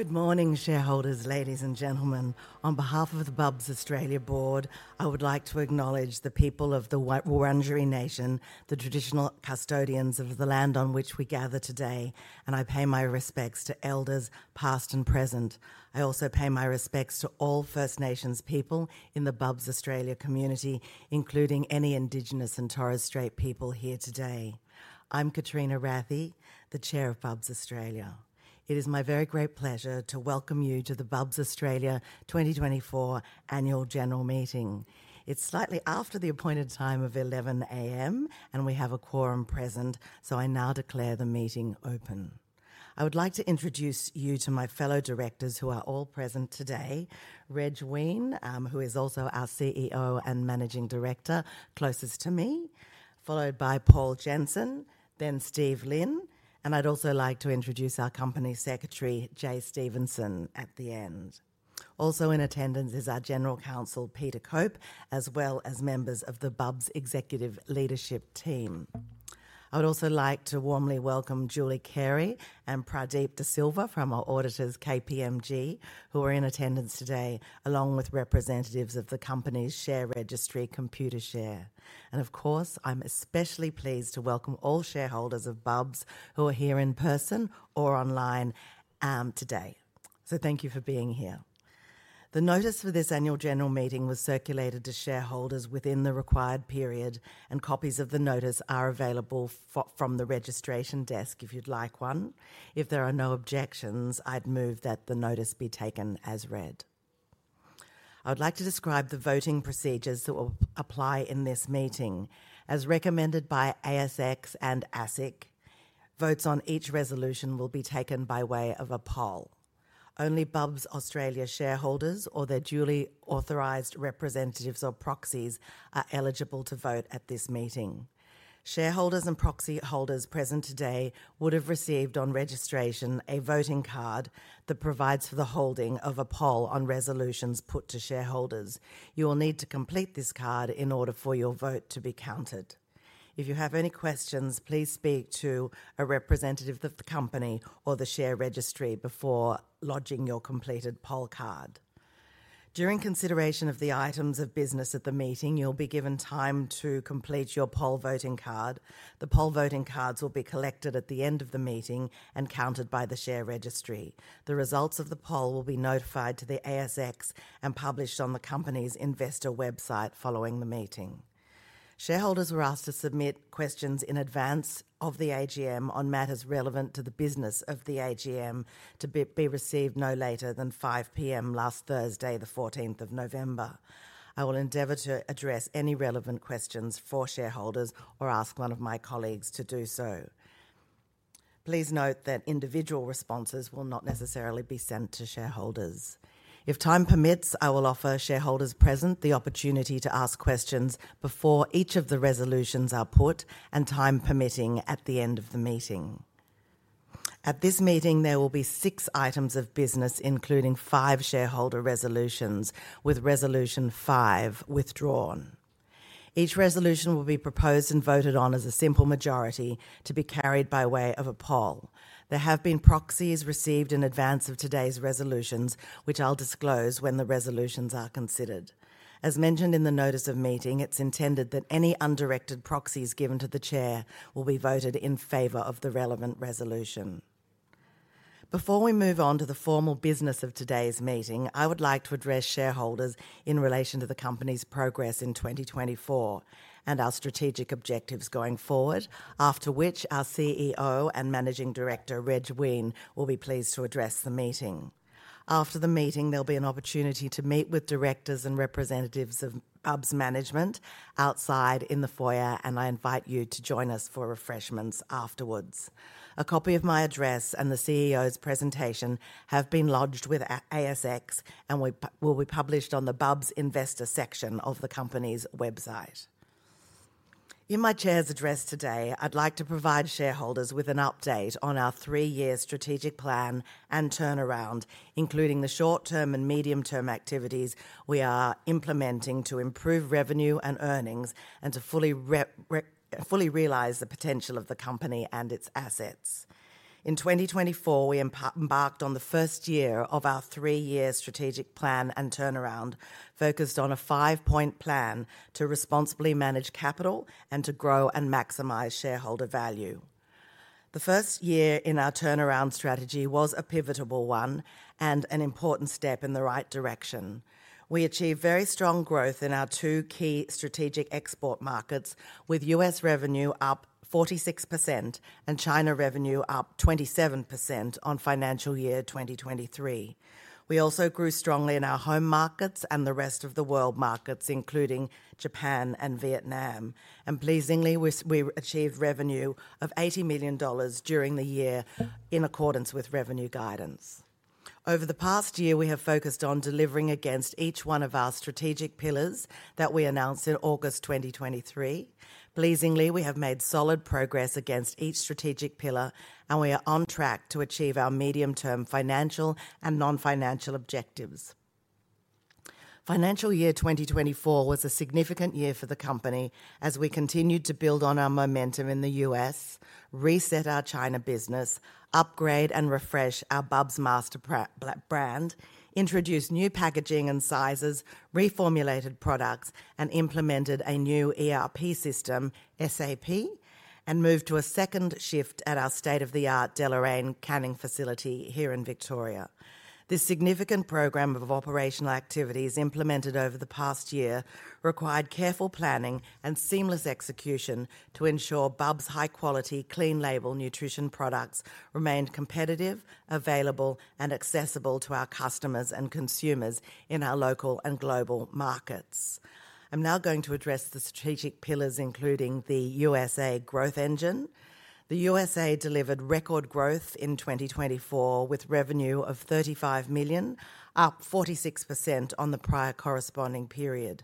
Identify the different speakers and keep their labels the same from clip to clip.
Speaker 1: Good morning, shareholders, ladies and gentlemen. On behalf of the Bubs Australia Board, I would like to acknowledge the people of the Wurundjeri Nation, the traditional custodians of the land on which we gather today, and I pay my respects to elders past and present. I also pay my respects to all First Nations people in the Bubs Australia community, including any Indigenous and Torres Strait people here today. I'm Katrina Rathie, the Chair of Bubs Australia. It is my very great pleasure to welcome you to the Bubs Australia 2024 Annual General Meeting. It's slightly after the appointed time of 11:00 A.M., and we have a quorum present, so I now declare the meeting open. I would like to introduce you to my fellow directors who are all present today, Reg Weine, who is also our CEO and Managing Director, closest to me, followed by Paul Jensen, then Steve Lin, and I'd also like to introduce our Company Secretary, Jay Stephenson, at the end. Also in attendance is our General Counsel, Peter Cope, as well as members of the Bubs Executive Leadership Team. I would also like to warmly welcome Julie Carey and Pradeep De Silva from our auditors, KPMG, who are in attendance today, along with representatives of the company's share registry, Computershare. And of course, I'm especially pleased to welcome all shareholders of Bubs who are here in person or online today. So thank you for being here. The notice for this annual general meeting was circulated to shareholders within the required period, and copies of the notice are available from the registration desk if you'd like one. If there are no objections, I'd move that the notice be taken as read. I would like to describe the voting procedures that will apply in this meeting. As recommended by ASX and ASIC, votes on each resolution will be taken by way of a poll. Only Bubs Australia shareholders or their duly authorized representatives or proxies are eligible to vote at this meeting. Shareholders and proxy holders present today would have received on registration a voting card that provides for the holding of a poll on resolutions put to shareholders. You will need to complete this card in order for your vote to be counted. If you have any questions, please speak to a representative of the company or the share registry before lodging your completed poll card. During consideration of the items of business at the meeting, you'll be given time to complete your poll voting card. The poll voting cards will be collected at the end of the meeting and counted by the share registry. The results of the poll will be notified to the ASX and published on the company's investor website following the meeting. Shareholders were asked to submit questions in advance of the AGM on matters relevant to the business of the AGM to be received no later than 5:00 P.M. last Thursday, the 14th of November. I will endeavor to address any relevant questions for shareholders or ask one of my colleagues to do so. Please note that individual responses will not necessarily be sent to shareholders. If time permits, I will offer shareholders present the opportunity to ask questions before each of the resolutions are put and time permitting at the end of the meeting. At this meeting, there will be six items of business, including five shareholder resolutions, with resolution five withdrawn. Each resolution will be proposed and voted on as a simple majority to be carried by way of a poll. There have been proxies received in advance of today's resolutions, which I'll disclose when the resolutions are considered. As mentioned in the notice of meeting, it's intended that any undirected proxies given to the chair will be voted in favor of the relevant resolution. Before we move on to the formal business of today's meeting, I would like to address shareholders in relation to the company's progress in 2024 and our strategic objectives going forward, after which our CEO and Managing Director, Reg Weine, will be pleased to address the meeting. After the meeting, there'll be an opportunity to meet with directors and representatives of Bubs management outside in the foyer, and I invite you to join us for refreshments afterwards. A copy of my address and the CEO's presentation have been lodged with ASX and will be published on the Bubs investor section of the company's website. In my chair's address today, I'd like to provide shareholders with an update on our three-year strategic plan and turnaround, including the short-term and medium-term activities we are implementing to improve revenue and earnings and to fully realize the potential of the company and its assets. In 2024, we embarked on the first year of our three-year strategic plan and turnaround, focused on a five-point plan to responsibly manage capital and to grow and maximize shareholder value. The first year in our turnaround strategy was a pivotal one and an important step in the right direction. We achieved very strong growth in our two key strategic export markets, with US revenue up 46% and China revenue up 27% on financial year 2023. We also grew strongly in our home markets and the rest of the world markets, including Japan and Vietnam. And pleasingly, we achieved revenue of 80 million dollars during the year in accordance with revenue guidance. Over the past year, we have focused on delivering against each one of our strategic pillars that we announced in August 2023. Pleasingly, we have made solid progress against each strategic pillar, and we are on track to achieve our medium-term financial and non-financial objectives. Financial year 2024 was a significant year for the company as we continued to build on our momentum in the US, reset our China business, upgrade and refresh our Bubs master brand, introduced new packaging and sizes, reformulated products, and implemented a new ERP system, SAP, and moved to a second shift at our state-of-the-art Deloraine canning facility here in Victoria. This significant program of operational activities implemented over the past year required careful planning and seamless execution to ensure Bubs' high-quality, clean label nutrition products remained competitive, available, and accessible to our customers and consumers in our local and global markets. I'm now going to address the strategic pillars, including the USA Growth Engine. The USA delivered record growth in 2024 with revenue of $35 million, up 46% on the prior corresponding period.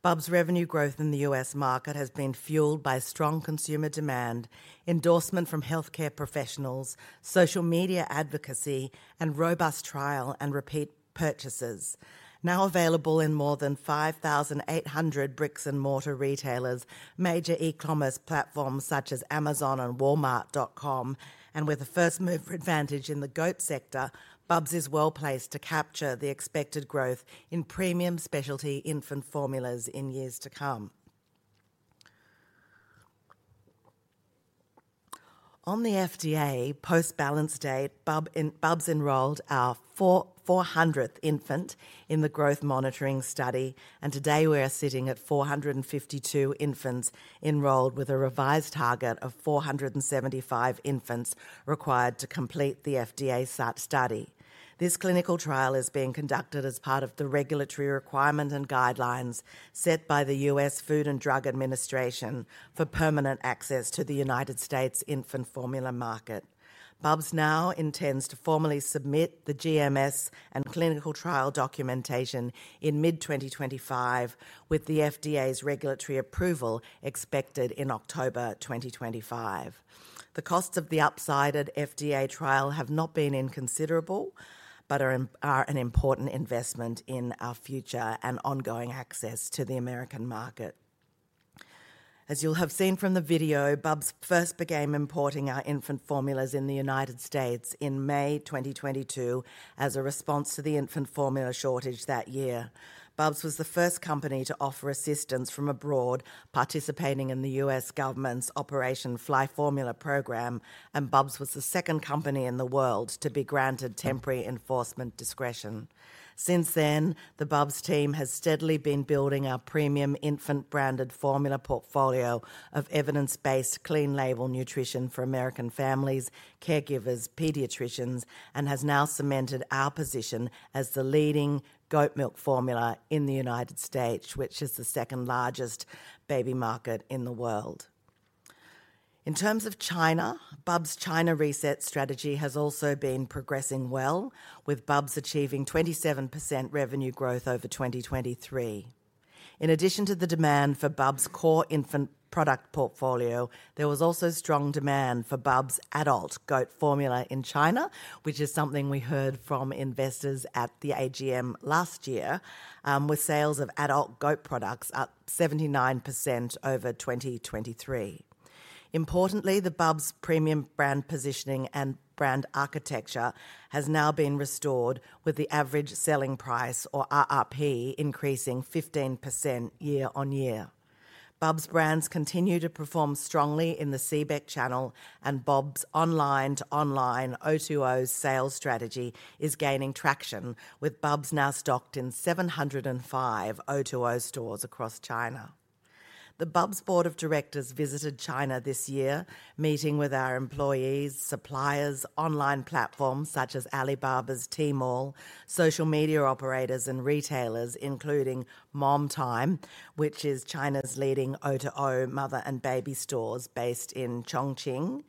Speaker 1: Bubs' revenue growth in the US market has been fueled by strong consumer demand, endorsement from healthcare professionals, social media advocacy, and robust trial and repeat purchases. Now available in more than 5,800 bricks and mortar retailers, major e-commerce platforms such as Amazon and Walmart.com, and with a first mover advantage in the goat sector, Bubs is well placed to capture the expected growth in premium specialty infant formulas in years to come. On the FDA post-balance date, Bubs enrolled our 400th infant in the growth monitoring study, and today we are sitting at 452 infants enrolled with a revised target of 475 infants required to complete the FDA study. This clinical trial is being conducted as part of the regulatory requirement and guidelines set by the U.S. Food and Drug Administration for permanent access to the United States infant formula market. Bubs now intends to formally submit the GMS and clinical trial documentation in mid-2025, with the FDA's regulatory approval expected in October 2025. The costs of the FDA trial have not been inconsiderable, but are an important investment in our future and ongoing access to the American market. As you'll have seen from the video, Bubs first became importing our infant formulas in the United States in May 2022 as a response to the infant formula shortage that year. Bubs was the first company to offer assistance from abroad participating in the U.S. government's Operation Fly Formula program, and Bubs was the second company in the world to be granted temporary enforcement discretion. Since then, the Bubs team has steadily been building our premium infant-branded formula portfolio of evidence-based clean label nutrition for American families, caregivers, pediatricians, and has now cemented our position as the leading goat milk formula in the United States, which is the second largest baby market in the world. In terms of China, Bubs' China reset strategy has also been progressing well, with Bubs achieving 27% revenue growth over 2023. In addition to the demand for Bubs' core infant product portfolio, there was also strong demand for Bubs' adult goat formula in China, which is something we heard from investors at the AGM last year, with sales of adult goat products up 79% over 2023. Importantly, the Bubs' premium brand positioning and brand architecture has now been restored, with the average selling price, or RRP, increasing 15% year on year. Bubs brands continue to perform strongly in the CBEC channel, and Bubs' online-to-offline O2O sales strategy is gaining traction, with Bubs now stocked in 705 O2O stores across China. The Bubs Board of Directors visited China this year, meeting with our employees, suppliers, online platforms such as Alibaba's Tmall, social media operators and retailers, including Momtime, which is China's leading O2O mother and baby stores based in Chongqing.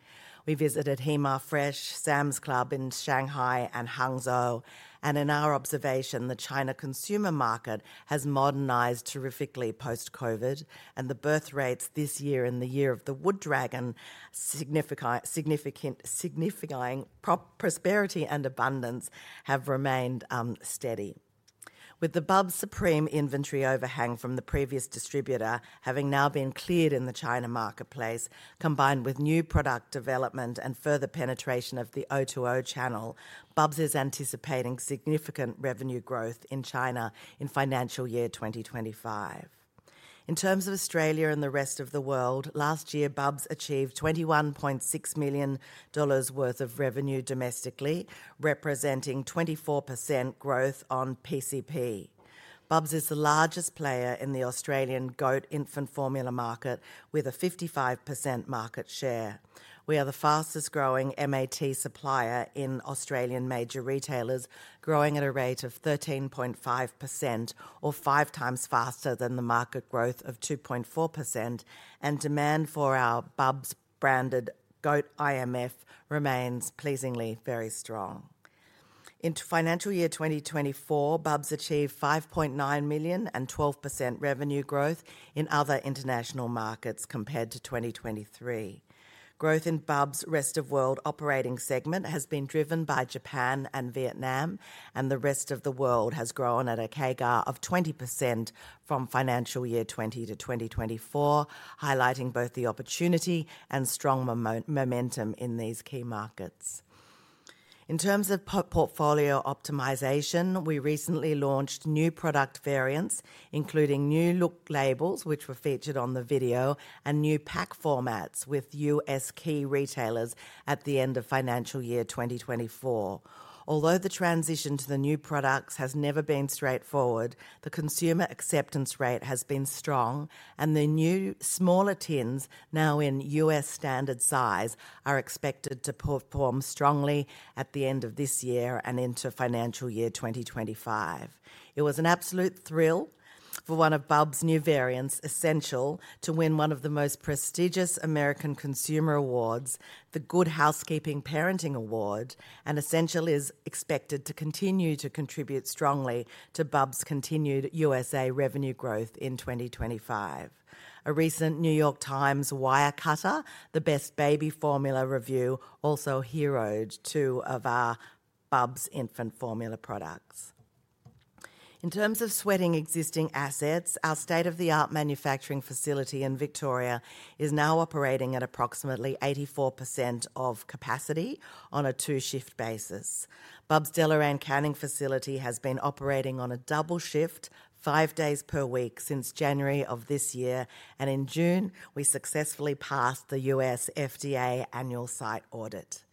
Speaker 1: We visited Hema Fresh, Sam's Club in Shanghai, and Hangzhou, and in our observation, the China consumer market has modernized terrifically post-COVID, and the birth rates this year and the year of the Wood Dragon, significant prosperity and abundance, have remained steady. With the Bubs Supreme inventory overhang from the previous distributor having now been cleared in the China marketplace, combined with new product development and further penetration of the O2O channel, Bubs is anticipating significant revenue growth in China in financial year 2025. In terms of Australia and the rest of the world, last year, Bubs achieved 21.6 million dollars worth of revenue domestically, representing 24% growth on PCP. Bubs is the largest player in the Australian goat infant formula market, with a 55% market share. We are the fastest growing MAT supplier in Australian major retailers, growing at a rate of 13.5%, or five times faster than the market growth of 2.4%, and demand for our Bubs branded goat IMF remains pleasingly very strong. In financial year 2024, Bubs achieved 5.9 million and 12% revenue growth in other international markets compared to 2023. Growth in Bubs' rest of world operating segment has been driven by Japan and Vietnam, and the rest of the world has grown at a CAGR of 20% from financial year 2020 to 2024, highlighting both the opportunity and strong momentum in these key markets. In terms of portfolio optimization, we recently launched new product variants, including new look labels, which were featured on the video, and new pack formats with US key retailers at the end of financial year 2024. Although the transition to the new products has never been straightforward, the consumer acceptance rate has been strong, and the new smaller tins, now in US standard size, are expected to perform strongly at the end of this year and into financial year 2025. It was an absolute thrill for one of Bubs' new variants, Essential, to win one of the most prestigious American consumer awards, the Good Housekeeping Parenting Award, and Essential is expected to continue to contribute strongly to Bubs' continued USA revenue growth in 2025. A recent New York Times Wirecutter, the best baby formula review, also heroed two of our Bubs infant formula products. In terms of sweating existing assets, our state-of-the-art manufacturing facility in Victoria is now operating at approximately 84% of capacity on a two-shift basis. Bubs Deloraine canning facility has been operating on a double shift, five days per week since January of this year, and in June, we successfully passed the U.S. FDA annual site audit.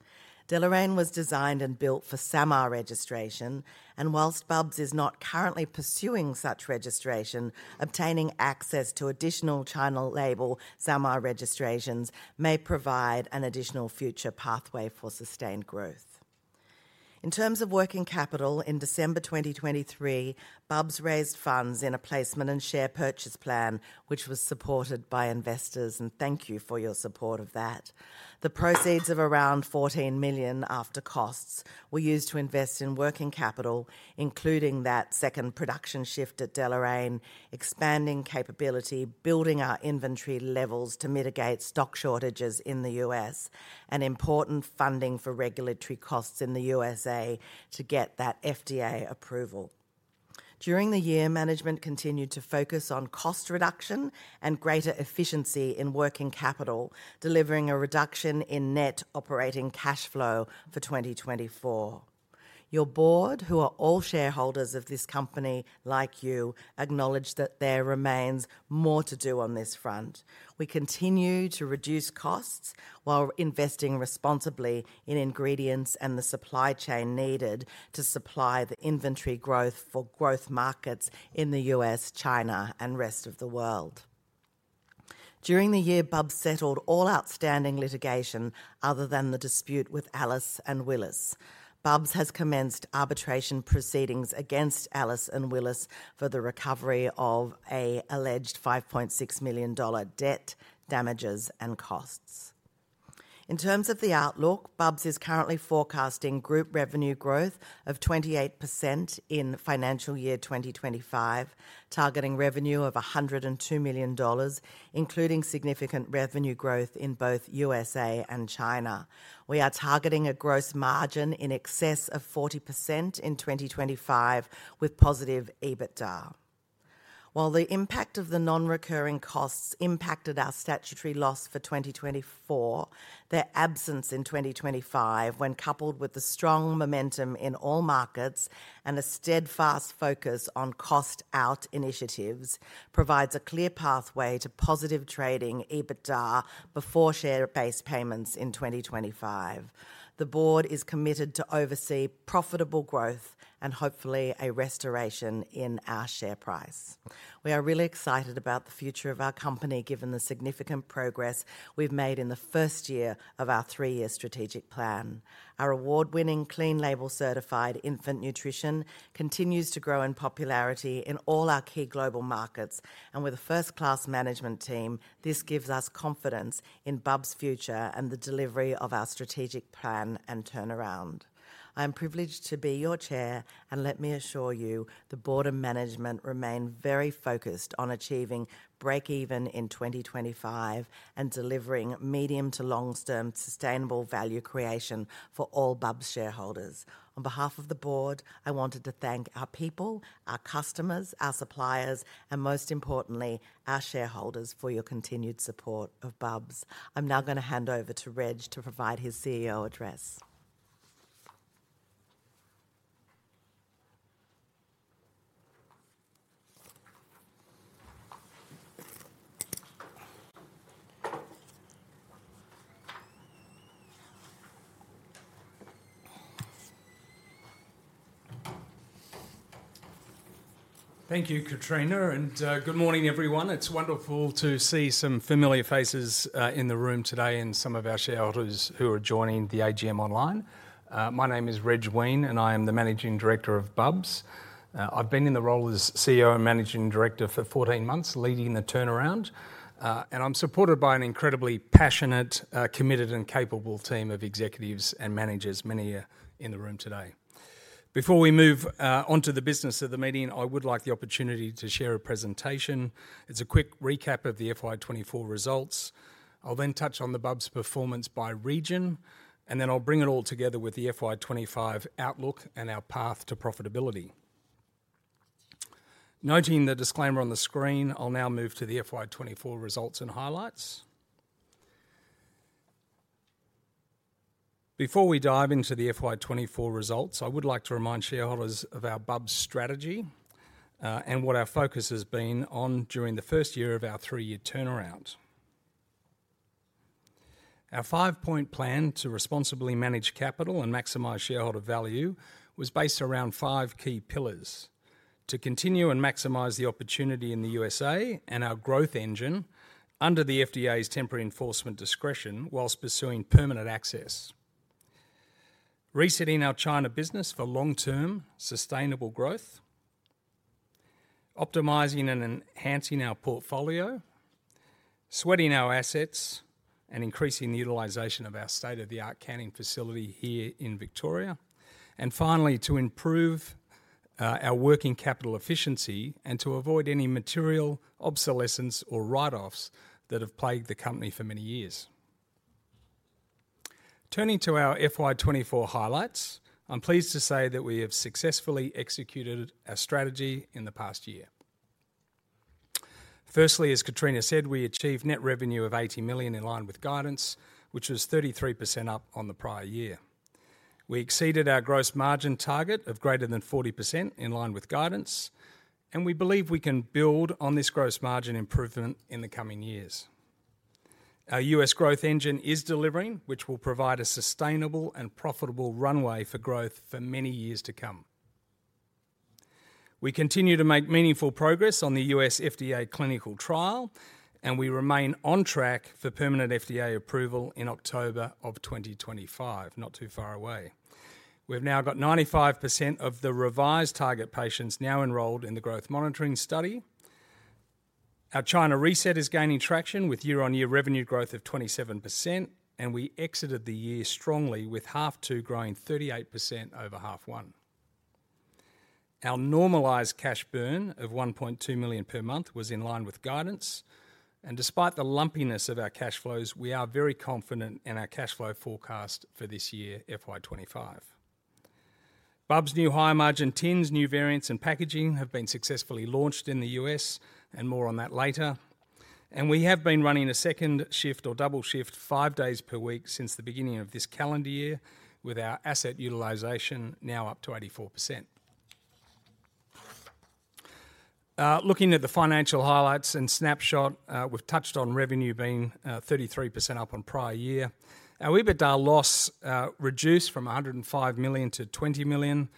Speaker 1: Deloraine was designed and built for SAMR registration, and while Bubs is not currently pursuing such registration, obtaining access to additional Clean Label SAMR registrations may provide an additional future pathway for sustained growth. In terms of working capital, in December 2023, Bubs raised funds in a placement and share purchase plan, which was supported by investors, and thank you for your support of that. The proceeds of around 14 million after costs were used to invest in working capital, including that second production shift at Deloraine, expanding capability, building our inventory levels to mitigate stock shortages in the US, and important funding for regulatory costs in the USA to get that FDA approval. During the year, management continued to focus on cost reduction and greater efficiency in working capital, delivering a reduction in net operating cash flow for 2024. Your board, who are all shareholders of this company, like you, acknowledged that there remains more to do on this front. We continue to reduce costs while investing responsibly in ingredients and the supply chain needed to supply the inventory growth for growth markets in the US, China, and rest of the world. During the year, Bubs settled all outstanding litigation other than the dispute with Alice and Willis. Bubs has commenced arbitration proceedings against Alice and Willis for the recovery of an alleged 5.6 million dollar debt, damages, and costs. In terms of the outlook, Bubs is currently forecasting group revenue growth of 28% in financial year 2025, targeting revenue of 102 million dollars, including significant revenue growth in both USA and China. We are targeting a gross margin in excess of 40% in 2025 with positive EBITDA. While the impact of the non-recurring costs impacted our statutory loss for 2024, their absence in 2025, when coupled with the strong momentum in all markets and a steadfast focus on cost-out initiatives, provides a clear pathway to positive trading EBITDA before share-based payments in 2025. The board is committed to oversee profitable growth and hopefully a restoration in our share price. We are really excited about the future of our company given the significant progress we've made in the first year of our three-year strategic plan. Our award-winning clean label certified infant nutrition continues to grow in popularity in all our key global markets, and with a first-class management team, this gives us confidence in Bubs' future and the delivery of our strategic plan and turnaround. I am privileged to be your chair, and let me assure you, the board and management remain very focused on achieving break-even in 2025 and delivering medium to long-term sustainable value creation for all Bubs shareholders. On behalf of the board, I wanted to thank our people, our customers, our suppliers, and most importantly, our shareholders for your continued support of Bubs. I'm now going to hand over to Reg to provide his CEO address.
Speaker 2: Thank you, Katrina, and good morning, everyone. It's wonderful to see some familiar faces in the room today and some of our shareholders who are joining the AGM online. My name is Reg Weine, and I am the Managing Director of Bubs. I've been in the role as CEO and Managing Director for 14 months, leading the turnaround, and I'm supported by an incredibly passionate, committed, and capable team of executives and managers, many in the room today. Before we move on to the business of the meeting, I would like the opportunity to share a presentation. It's a quick recap of the FY24 results. I'll then touch on the Bubs performance by region, and then I'll bring it all together with the FY25 outlook and our path to profitability. Noting the disclaimer on the screen, I'll now move to the FY24 results and highlights. Before we dive into the FY24 results, I would like to remind shareholders of our Bubs strategy and what our focus has been on during the first year of our three-year turnaround. Our five-point plan to responsibly manage capital and maximize shareholder value was based around five key pillars, to continue and maximize the opportunity in the USA and our growth engine under the FDA's temporary enforcement discretion while pursuing permanent access. Resetting our China business for long-term sustainable growth. Optimizing and enhancing our portfolio. Sweating our assets and increasing the utilization of our state-of-the-art canning facility here in Victoria. And finally, to improve our working capital efficiency and to avoid any material obsolescence or write-offs that have plagued the company for many years. Turning to our FY24 highlights, I'm pleased to say that we have successfully executed our strategy in the past year. Firstly, as Katrina said, we achieved net revenue of 80 million in line with guidance, which was 33% up on the prior year. We exceeded our gross margin target of greater than 40% in line with guidance, and we believe we can build on this gross margin improvement in the coming years. Our U.S. growth engine is delivering, which will provide a sustainable and profitable runway for growth for many years to come. We continue to make meaningful progress on the U.S. FDA clinical trial, and we remain on track for permanent FDA approval in October of 2025, not too far away. We've now got 95% of the revised target patients now enrolled in the growth monitoring study. Our China reset is gaining traction with year-on-year revenue growth of 27%, and we exited the year strongly, with half two growing 38% over half one. Our normalised cash burn of 1.2 million per month was in line with guidance, and despite the lumpiness of our cash flows, we are very confident in our cash flow forecast for this year, FY25. Bubs new high margin tins, new variants, and packaging have been successfully launched in the US, and more on that later. And we have been running a second shift or double shift five days per week since the beginning of this calendar year, with our asset utilization now up to 84%. Looking at the financial highlights in snapshot, we've touched on revenue being 33% up on prior year. Our EBITDA loss reduced from 105 million to 20 million.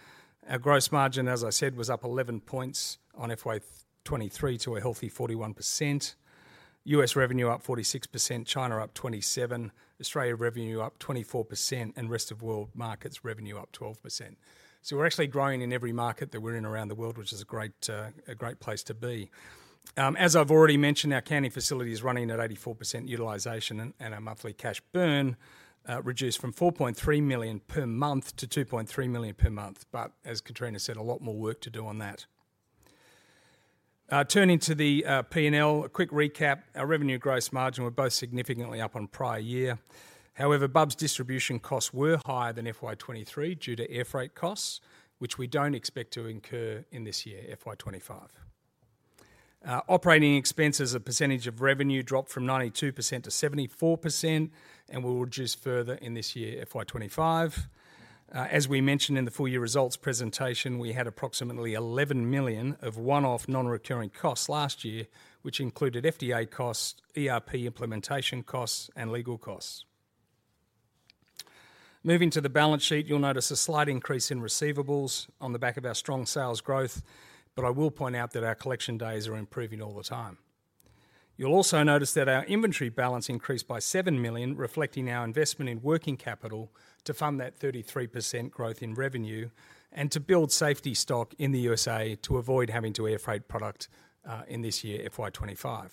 Speaker 2: Our gross margin, as I said, was up 11 points on FY23 to a healthy 41%. US revenue up 46%, China up 27%, Australia revenue up 24%, and rest of world markets revenue up 12%. We're actually growing in every market that we're in around the world, which is a great place to be. As I've already mentioned, our canning facility is running at 84% utilization and our monthly cash burn reduced from 4.3 million per month to 2.3 million per month, but as Katrina said, a lot more work to do on that. Turning to the P&L, a quick recap. Our revenue gross margin were both significantly up on prior year. However, Bubs distribution costs were higher than FY23 due to air freight costs, which we don't expect to incur in this year, FY25. Operating expenses, a percentage of revenue, dropped from 92% to 74% and will reduce further in this year, FY25. As we mentioned in the full year results presentation, we had approximately 11 million of one-off non-recurring costs last year, which included FDA costs, ERP implementation costs, and legal costs. Moving to the balance sheet, you'll notice a slight increase in receivables on the back of our strong sales growth, but I will point out that our collection days are improving all the time. You'll also notice that our inventory balance increased by 7 million, reflecting our investment in working capital to fund that 33% growth in revenue and to build safety stock in the USA to avoid having to air freight product in this year, FY25.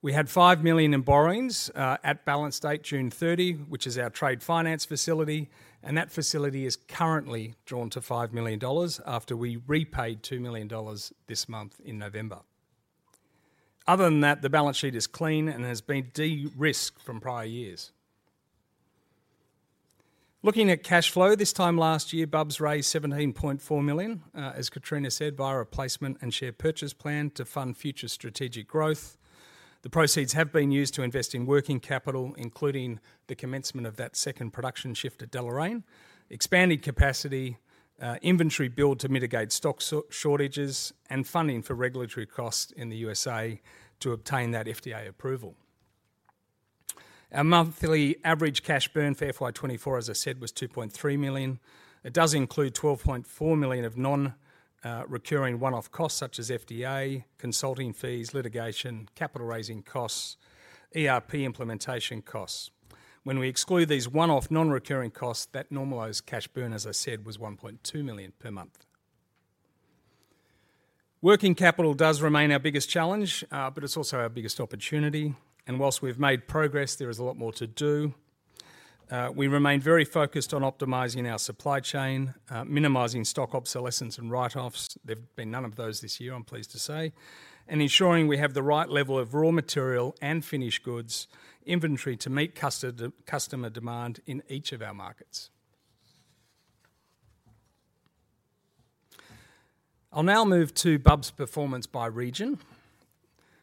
Speaker 2: We had 5 million in borrowings at balance date June 30, which is our trade finance facility, and that facility is currently drawn to 5 million dollars after we repaid 2 million dollars this month in November. Other than that, the balance sheet is clean and has been de-risked from prior years. Looking at cash flow this time last year, Bubs raised 17.4 million, as Katrina said, via a placement and share purchase plan to fund future strategic growth. The proceeds have been used to invest in working capital, including the commencement of that second production shift at Deloraine, expanded capacity, inventory build to mitigate stock shortages, and funding for regulatory costs in the USA to obtain that FDA approval. Our monthly average cash burn for FY24, as I said, was 2.3 million. It does include 12.4 million of non-recurring one-off costs such as FDA, consulting fees, litigation, capital raising costs, ERP implementation costs. When we exclude these one-off non-recurring costs, that normalized cash burn, as I said, was 1.2 million per month. Working capital does remain our biggest challenge, but it's also our biggest opportunity, and while we've made progress, there is a lot more to do. We remain very focused on optimizing our supply chain, minimizing stock obsolescence and write-offs. There've been none of those this year, I'm pleased to say, and ensuring we have the right level of raw material and finished goods inventory to meet customer demand in each of our markets. I'll now move to Bubs performance by region,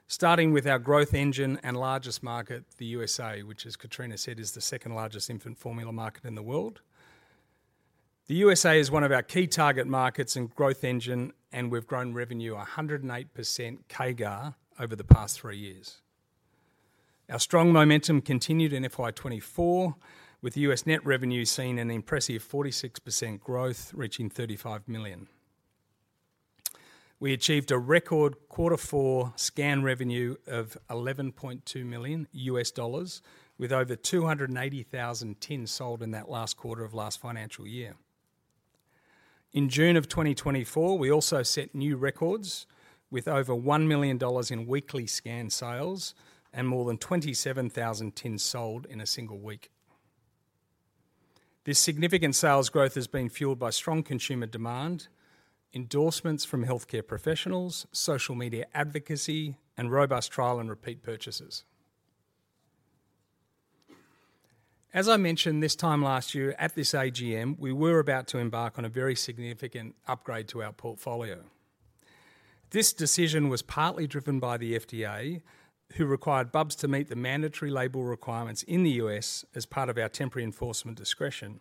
Speaker 2: starting with our growth engine and largest market, the USA, which, as Katrina said, is the second largest infant formula market in the world. The USA is one of our key target markets and growth engine, and we've grown revenue 108% CAGR over the past three years. Our strong momentum continued in FY24, with US net revenue seeing an impressive 46% growth, reaching $35 million. We achieved a record Q4 scan revenue of $11.2 million, with over 280,000 tins sold in that last quarter of last financial year. In June of 2024, we also set new records with over $1 million in weekly scan sales and more than 27,000 tins sold in a single week. This significant sales growth has been fueled by strong consumer demand, endorsements from healthcare professionals, social media advocacy, and robust trial and repeat purchases. As I mentioned this time last year at this AGM, we were about to embark on a very significant upgrade to our portfolio. This decision was partly driven by the FDA, who required Bubs to meet the mandatory label requirements in the US as part of our temporary enforcement discretion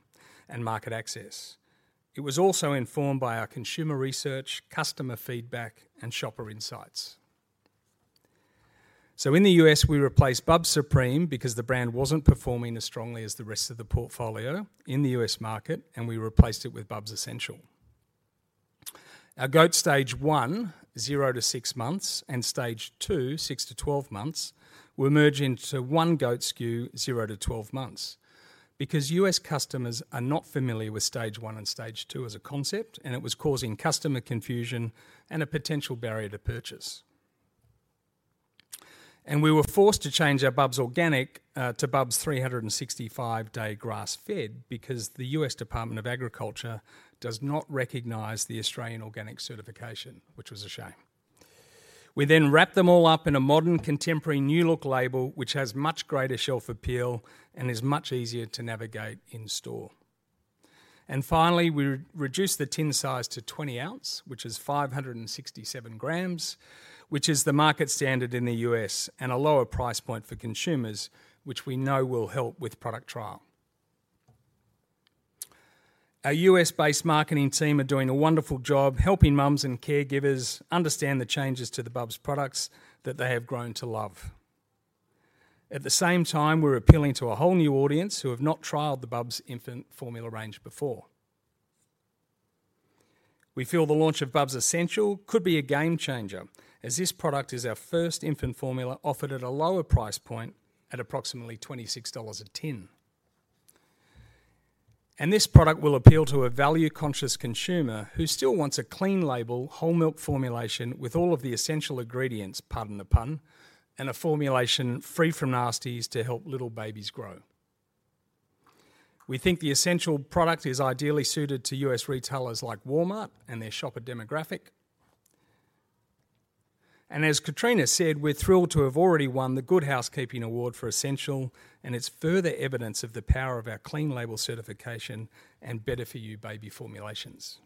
Speaker 2: and market access. It was also informed by our consumer research, customer feedback, and shopper insights. So in the US, we replaced Bubs Supreme because the brand wasn't performing as strongly as the rest of the portfolio in the US market, and we replaced it with Bubs Essential. Our goat stage one, zero to six months, and stage two, six to twelve months, were merged into one goat SKU, zero to twelve months, because U.S. customers are not familiar with stage one and stage two as a concept, and it was causing customer confusion and a potential barrier to purchase. And we were forced to change our Bubs Organic to Bubs 365-Day Grass-Fed because the U.S. Department of Agriculture does not recognize the Australian organic certification, which was a shame. We then wrapped them all up in a modern, contemporary new look label, which has much greater shelf appeal and is much easier to navigate in store. And finally, we reduced the tin size to 20 ounce, which is 567 grams, which is the market standard in the U.S., and a lower price point for consumers, which we know will help with product trial. Our U.S.-based marketing team are doing a wonderful job helping moms and caregivers understand the changes to the Bubs products that they have grown to love. At the same time, we're appealing to a whole new audience who have not trialed the Bubs infant formula range before. We feel the launch of Bubs Essential could be a game changer, as this product is our first infant formula offered at a lower price point at approximately $26 a tin. And this product will appeal to a value-conscious consumer who still wants a clean label, whole milk formulation with all of the essential ingredients, pardon the pun, and a formulation free from nasties to help little babies grow. We think the Essential product is ideally suited to U.S. retailers like Walmart and their shopper demographic. And as Katrina said, we're thrilled to have already won the Good Housekeeping Award for Essential, and it's further evidence of the power of our clean label certification and better-for-you baby formulations.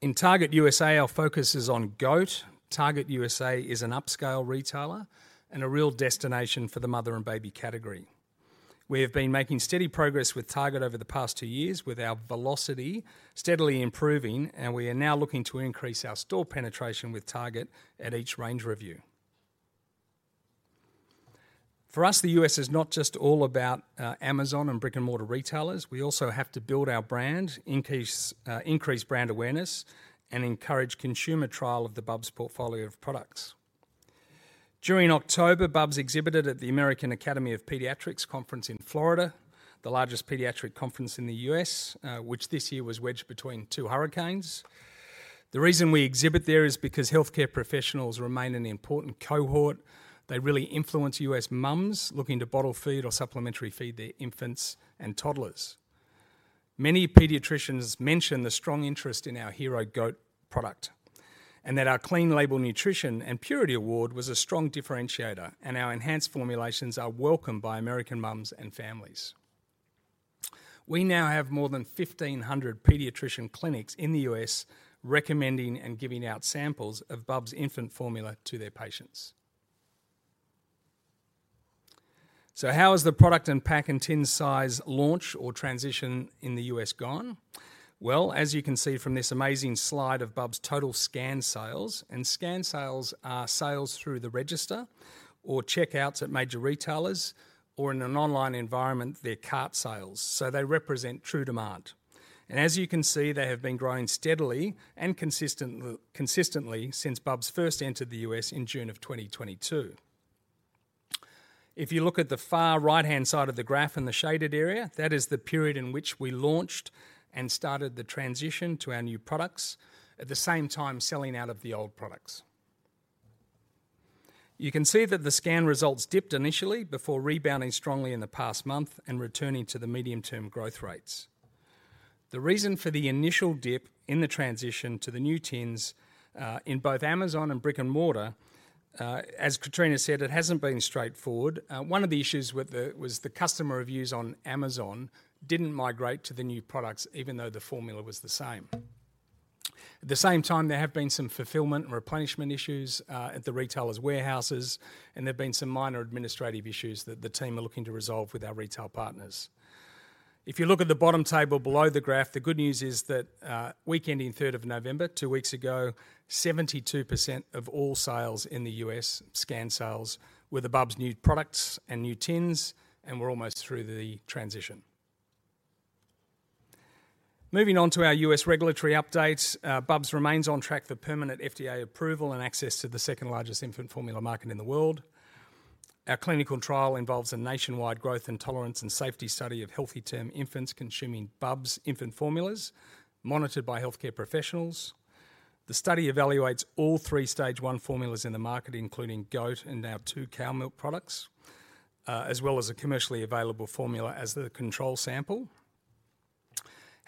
Speaker 2: In Target USA, our focus is on goat. Target USA is an upscale retailer and a real destination for the mother and baby category. We have been making steady progress with Target over the past two years, with our velocity steadily improving, and we are now looking to increase our store penetration with Target at each range review. For us, the US is not just all about Amazon and brick-and-mortar retailers. We also have to build our brand, increase brand awareness, and encourage consumer trial of the Bubs portfolio of products. During October, Bubs exhibited at the American Academy of Pediatrics Conference in Florida, the largest pediatric conference in the U.S., which this year was wedged between two hurricanes. The reason we exhibit there is because healthcare professionals remain an important cohort. They really influence U.S. mums looking to bottle feed or supplementary feed their infants and toddlers. Many pediatricians mention the strong interest in our Hero Goat product and that our Clean Label Nutrition and Purity Award was a strong differentiator, and our enhanced formulations are welcome by American mums and families. We now have more than 1,500 pediatrician clinics in the U.S. recommending and giving out samples of Bubs infant formula to their patients. So how has the product and pack and tin size launch or transition in the U.S. gone? As you can see from this amazing slide of Bubs total scan sales, and scan sales are sales through the register or checkouts at major retailers or in an online environment, their cart sales. So they represent true demand. And as you can see, they have been growing steadily and consistently since Bubs first entered the U.S. in June of 2022. If you look at the far right-hand side of the graph in the shaded area, that is the period in which we launched and started the transition to our new products, at the same time selling out of the old products. You can see that the scan results dipped initially before rebounding strongly in the past month and returning to the medium-term growth rates. The reason for the initial dip in the transition to the new tins in both Amazon and brick-and-mortar, as Katrina said, it hasn't been straightforward. One of the issues was the customer reviews on Amazon didn't migrate to the new products, even though the formula was the same. At the same time, there have been some fulfilment and replenishment issues at the retailers' warehouses, and there've been some minor administrative issues that the team are looking to resolve with our retail partners. If you look at the bottom table below the graph, the good news is that week ending 3rd of November, two weeks ago, 72% of all sales in the U.S. scan sales were the Bubs new products and new tins, and we're almost through the transition. Moving on to our US regulatory updates, Bubs remains on track for permanent FDA approval and access to the second largest infant formula market in the world. Our clinical trial involves a nationwide growth and tolerance and safety study of healthy-term infants consuming Bubs infant formulas, monitored by healthcare professionals. The study evaluates all three stage one formulas in the market, including goat and our two cow milk products, as well as a commercially available formula as the control sample.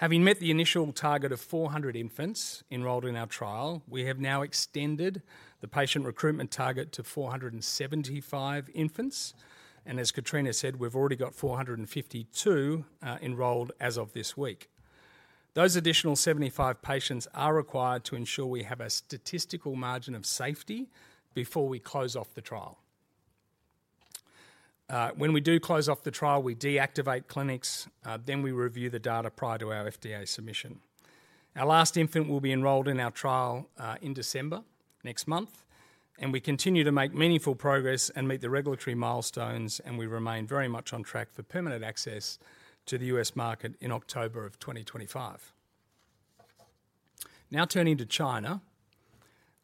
Speaker 2: Having met the initial target of 400 infants enrolled in our trial, we have now extended the patient recruitment target to 475 infants. And as Katrina said, we've already got 452 enrolled as of this week. Those additional 75 patients are required to ensure we have a statistical margin of safety before we close off the trial. When we do close off the trial, we deactivate clinics, then we review the data prior to our FDA submission. Our last infant will be enrolled in our trial in December next month, and we continue to make meaningful progress and meet the regulatory milestones, and we remain very much on track for permanent access to the US market in October of 2025. Now turning to China,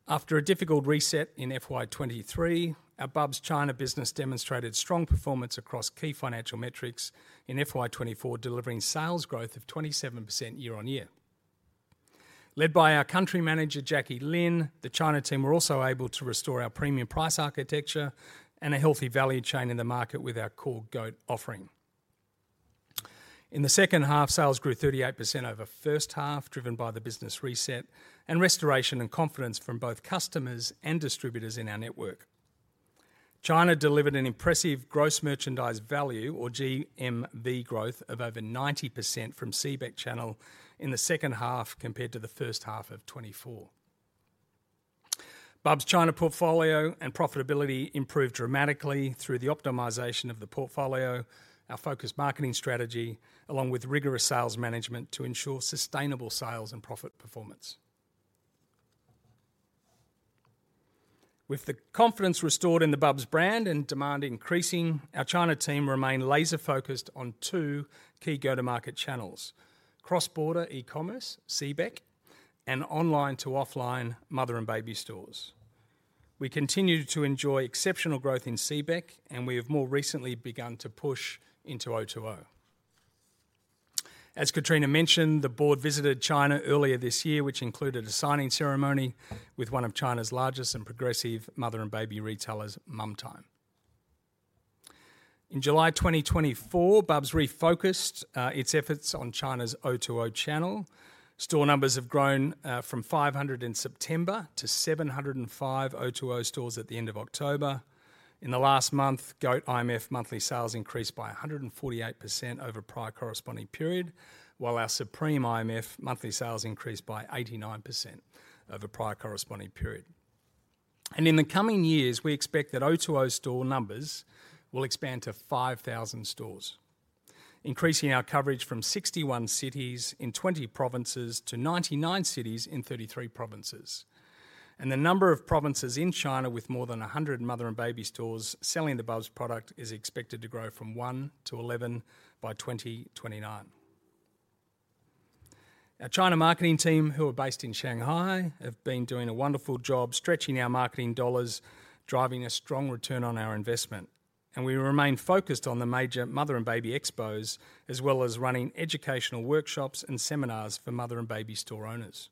Speaker 2: after a difficult reset in FY23, our Bubs China business demonstrated strong performance across key financial metrics in FY24, delivering sales growth of 27% year on year. Led by our Country Manager, Jackie Lin, the China team were also able to restore our premium price architecture and a healthy value chain in the market with our core goat offering. In the second half, sales grew 38% over first half, driven by the business reset and restoration and confidence from both customers and distributors in our network. China delivered an impressive gross merchandise value, or GMV, growth of over 90% from CBEC channel in the second half compared to the first half of 2024. Bubs China portfolio and profitability improved dramatically through the optimization of the portfolio, our focused marketing strategy, along with rigorous sales management to ensure sustainable sales and profit performance. With the confidence restored in the Bubs brand and demand increasing, our China team remain laser-focused on two key go-to-market channels: cross-border e-commerce, CBEC, and online to offline mother and baby stores. We continue to enjoy exceptional growth in CBEC, and we have more recently begun to push into O2O. As Katrina mentioned, the board visited China earlier this year, which included a signing ceremony with one of China's largest and progressive mother and baby retailers, Momtime. In July 2024, Bubs refocused its efforts on China's O2O channel. Store numbers have grown from 500 in September to 705 O2O stores at the end of October. In the last month, goat IMF monthly sales increased by 148% over prior corresponding period, while our Supreme IMF monthly sales increased by 89% over prior corresponding period. And in the coming years, we expect that O2O store numbers will expand to 5,000 stores, increasing our coverage from 61 cities in 20 provinces to 99 cities in 33 provinces. And the number of provinces in China with more than 100 mother and baby stores selling the Bubs product is expected to grow from 1 to 11 by 2029. Our China marketing team, who are based in Shanghai, have been doing a wonderful job stretching our marketing dollars, driving a strong return on our investment, and we remain focused on the major mother and baby expos as well as running educational workshops and seminars for mother and baby store owners.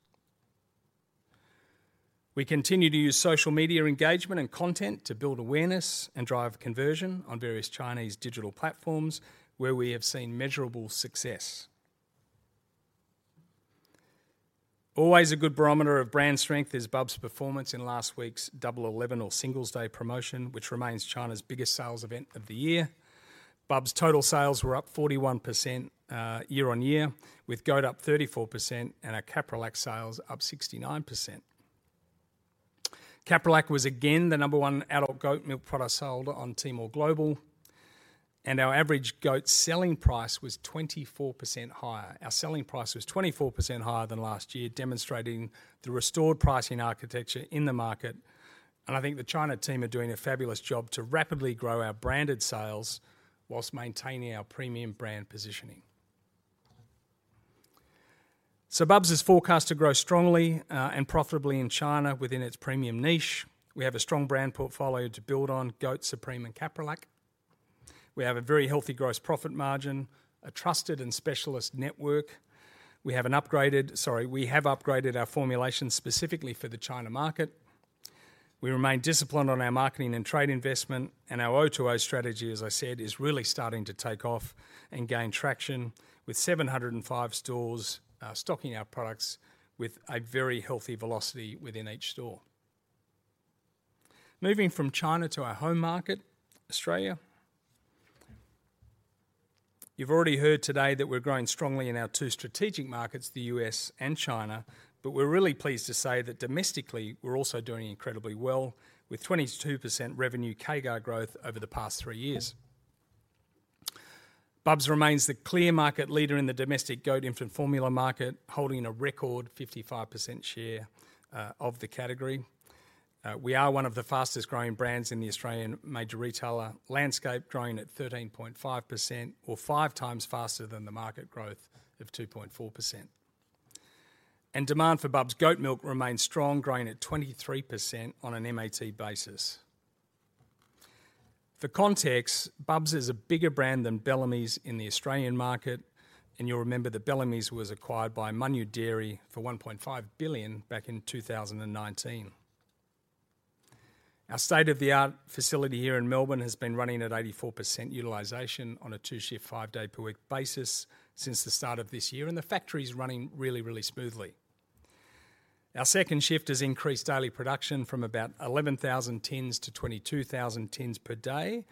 Speaker 2: We continue to use social media engagement and content to build awareness and drive conversion on various Chinese digital platforms, where we have seen measurable success. Always a good barometer of brand strength is Bubs performance in last week's Double 11 or Singles Day promotion, which remains China's biggest sales event of the year. Bubs total sales were up 41% year on year, with goat up 34% and our Caprilac sales up 69%. Caprilac was again the number one adult goat milk product sold on Temu Global, and our average goat selling price was 24% higher. Our selling price was 24% higher than last year, demonstrating the restored pricing architecture in the market. And I think the China team are doing a fabulous job to rapidly grow our branded sales whilst maintaining our premium brand positioning. So Bubs is forecast to grow strongly and profitably in China within its premium niche. We have a strong brand portfolio to build on Goat Supreme and Caprilac. We have a very healthy gross profit margin, a trusted and specialist network. We have upgraded our formulation specifically for the China market. We remain disciplined on our marketing and trade investment, and our O2O strategy, as I said, is really starting to take off and gain traction with 705 stores stocking our products with a very healthy velocity within each store. Moving from China to our home market, Australia. You've already heard today that we're growing strongly in our two strategic markets, the U.S. and China, but we're really pleased to say that domestically we're also doing incredibly well with 22% revenue CAGR growth over the past three years. Bubs remains the clear market leader in the domestic goat infant formula market, holding a record 55% share of the category. We are one of the fastest growing brands in the Australian major retailer landscape, growing at 13.5%, or five times faster than the market growth of 2.4%. And demand for Bubs goat milk remains strong, growing at 23% on an MAT basis. For context, Bubs is a bigger brand than Bellamy's in the Australian market, and you'll remember that Bellamy's was acquired by Mengniu Dairy for 1.5 billion back in 2019. Our state-of-the-art facility here in Melbourne has been running at 84% utilization on a two-shift, five-day-per-week basis since the start of this year, and the factory is running really, really smoothly. Our second shift has increased daily production from about 11,000 tins to 22,000 tins per day,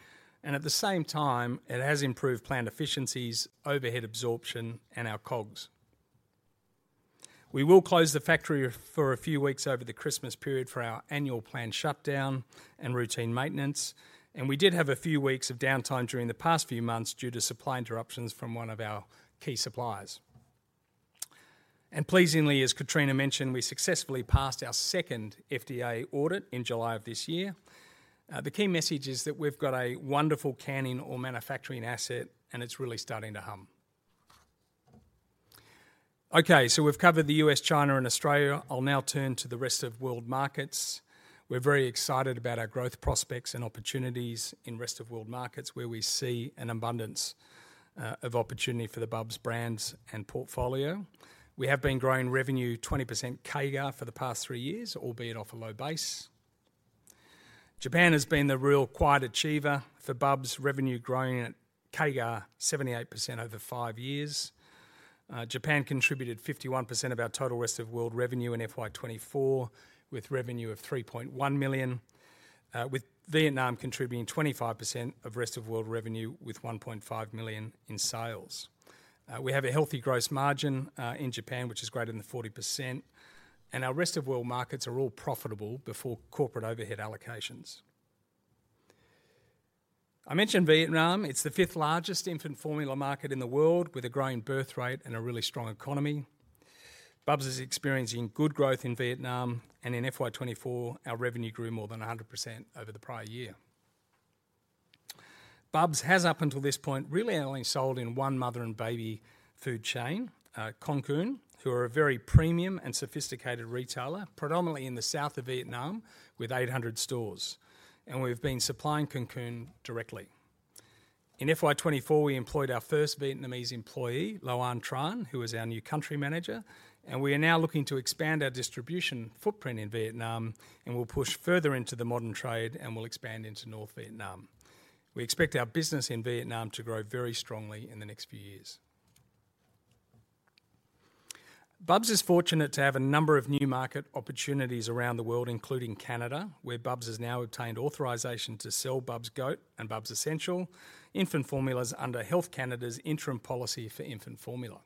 Speaker 2: and at the same time, it has improved plant efficiencies, overhead absorption, and our COGS. We will close the factory for a few weeks over the Christmas period for our annual planned shutdown and routine maintenance, and we did have a few weeks of downtime during the past few months due to supply interruptions from one of our key suppliers, and pleasingly, as Katrina mentioned, we successfully passed our second FDA audit in July of this year. The key message is that we've got a wonderful canning or manufacturing asset, and it's really starting to hum. Okay, so we've covered the US, China, and Australia. I'll now turn to the rest of world markets. We're very excited about our growth prospects and opportunities in rest of world markets, where we see an abundance of opportunity for the Bubs brands and portfolio. We have been growing revenue 20% CAGR for the past three years, albeit off a low base. Japan has been the real quiet achiever for Bubs revenue growing at CAGR 78% over five years. Japan contributed 51% of our total rest of world revenue in FY24, with revenue of 3.1 million, with Vietnam contributing 25% of rest of world revenue, with 1.5 million in sales. We have a healthy gross margin in Japan, which is greater than 40%. And our rest of world markets are all profitable before corporate overhead allocations. I mentioned Vietnam. It's the fifth largest infant formula market in the world, with a growing birth rate and a really strong economy. Bubs is experiencing good growth in Vietnam, and in FY24, our revenue grew more than 100% over the prior year. Bubs has, up until this point, really only sold in one mother and baby food chain, Con Cung, who are a very premium and sophisticated retailer, predominantly in the south of Vietnam, with 800 stores, and we've been supplying Con Cung directly. In FY24, we employed our first Vietnamese employee, Loan Tran, who is our new country manager, and we are now looking to expand our distribution footprint in Vietnam and will push further into the modern trade and will expand into North Vietnam. We expect our business in Vietnam to grow very strongly in the next few years. Bubs is fortunate to have a number of new market opportunities around the world, including Canada, where Bubs has now obtained authorization to sell Bubs goat and Bubs Essential infant formulas under Health Canada's interim policy for infant formula.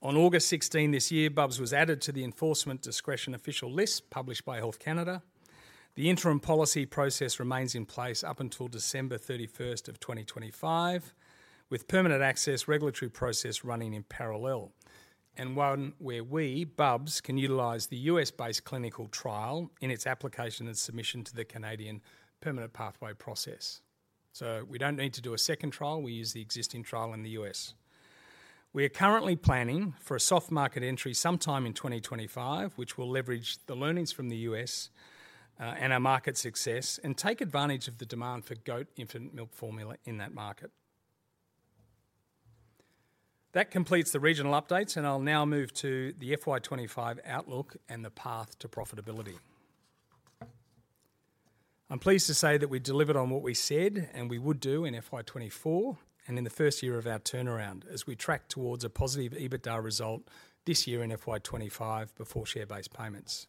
Speaker 2: On August 16 this year, Bubs was added to the enforcement discretion official list published by Health Canada. The interim policy process remains in place up until December 31st of 2025, with permanent access regulatory process running in parallel, and one where we, Bubs, can utilize the U.S.-based clinical trial in its application and submission to the Canadian permanent pathway process, so we don't need to do a second trial. We use the existing trial in the U.S. We are currently planning for a soft market entry sometime in 2025, which will leverage the learnings from the U.S. and our market success and take advantage of the demand for goat infant formula in that market. That completes the regional updates, and I'll now move to the FY25 outlook and the path to profitability. I'm pleased to say that we delivered on what we said and we would do in FY24 and in the first year of our turnaround as we track towards a positive EBITDA result this year in FY25 before share-based payments.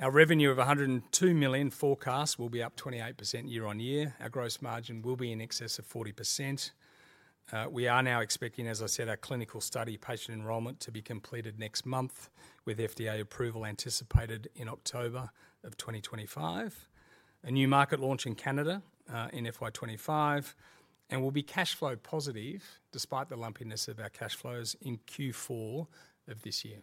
Speaker 2: Our revenue of 102 million forecast will be up 28% year on year. Our gross margin will be in excess of 40%. We are now expecting, as I said, our clinical study patient enrolment to be completed next month with FDA approval anticipated in October of 2025. A new market launch in Canada in FY25 and will be cash flow positive despite the lumpiness of our cash flows in Q4 of this year.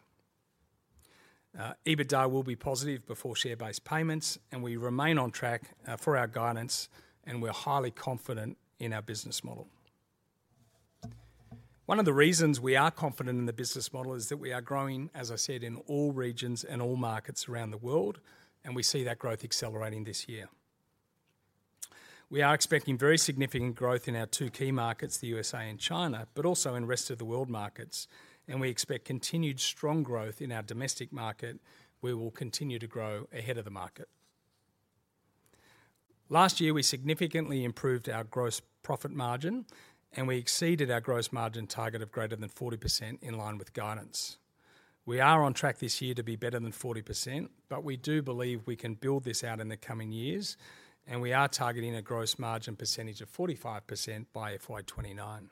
Speaker 2: EBITDA will be positive before share-based payments, and we remain on track for our guidance, and we're highly confident in our business model. One of the reasons we are confident in the business model is that we are growing, as I said, in all regions and all markets around the world, and we see that growth accelerating this year. We are expecting very significant growth in our two key markets, the USA and China, but also in rest of the world markets. And we expect continued strong growth in our domestic market, where we'll continue to grow ahead of the market. Last year, we significantly improved our gross profit margin, and we exceeded our gross margin target of greater than 40% in line with guidance. We are on track this year to be better than 40%, but we do believe we can build this out in the coming years, and we are targeting a gross margin percentage of 45% by FY29.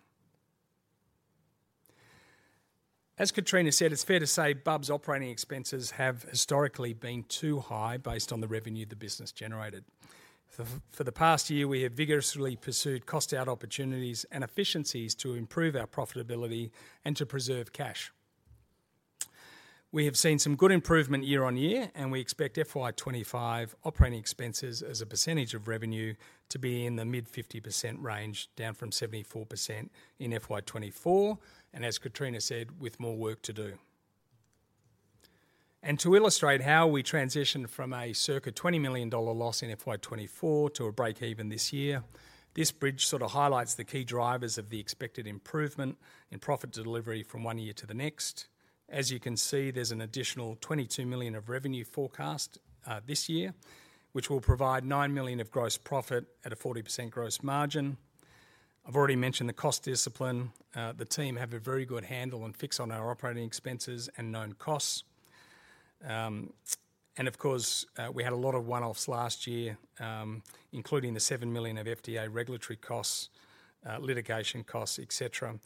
Speaker 2: As Katrina said, it's fair to say Bubs operating expenses have historically been too high based on the revenue the business generated. For the past year, we have vigorously pursued cost-out opportunities and efficiencies to improve our profitability and to preserve cash. We have seen some good improvement year on year, and we expect FY25 operating expenses as a percentage of revenue to be in the mid-50% range, down from 74% in FY24, and as Katrina said, with more work to do. To illustrate how we transitioned from a circa 20 million dollar loss in FY24 to a break-even this year, this bridge sort of highlights the key drivers of the expected improvement in profit delivery from one year to the next. As you can see, there's an additional 22 million of revenue forecast this year, which will provide 9 million of gross profit at a 40% gross margin. I've already mentioned the cost discipline. The team have a very good handle and fix on our operating expenses and known costs. Of course, we had a lot of one-offs last year, including the 7 million of FDA regulatory costs, litigation costs, etc.,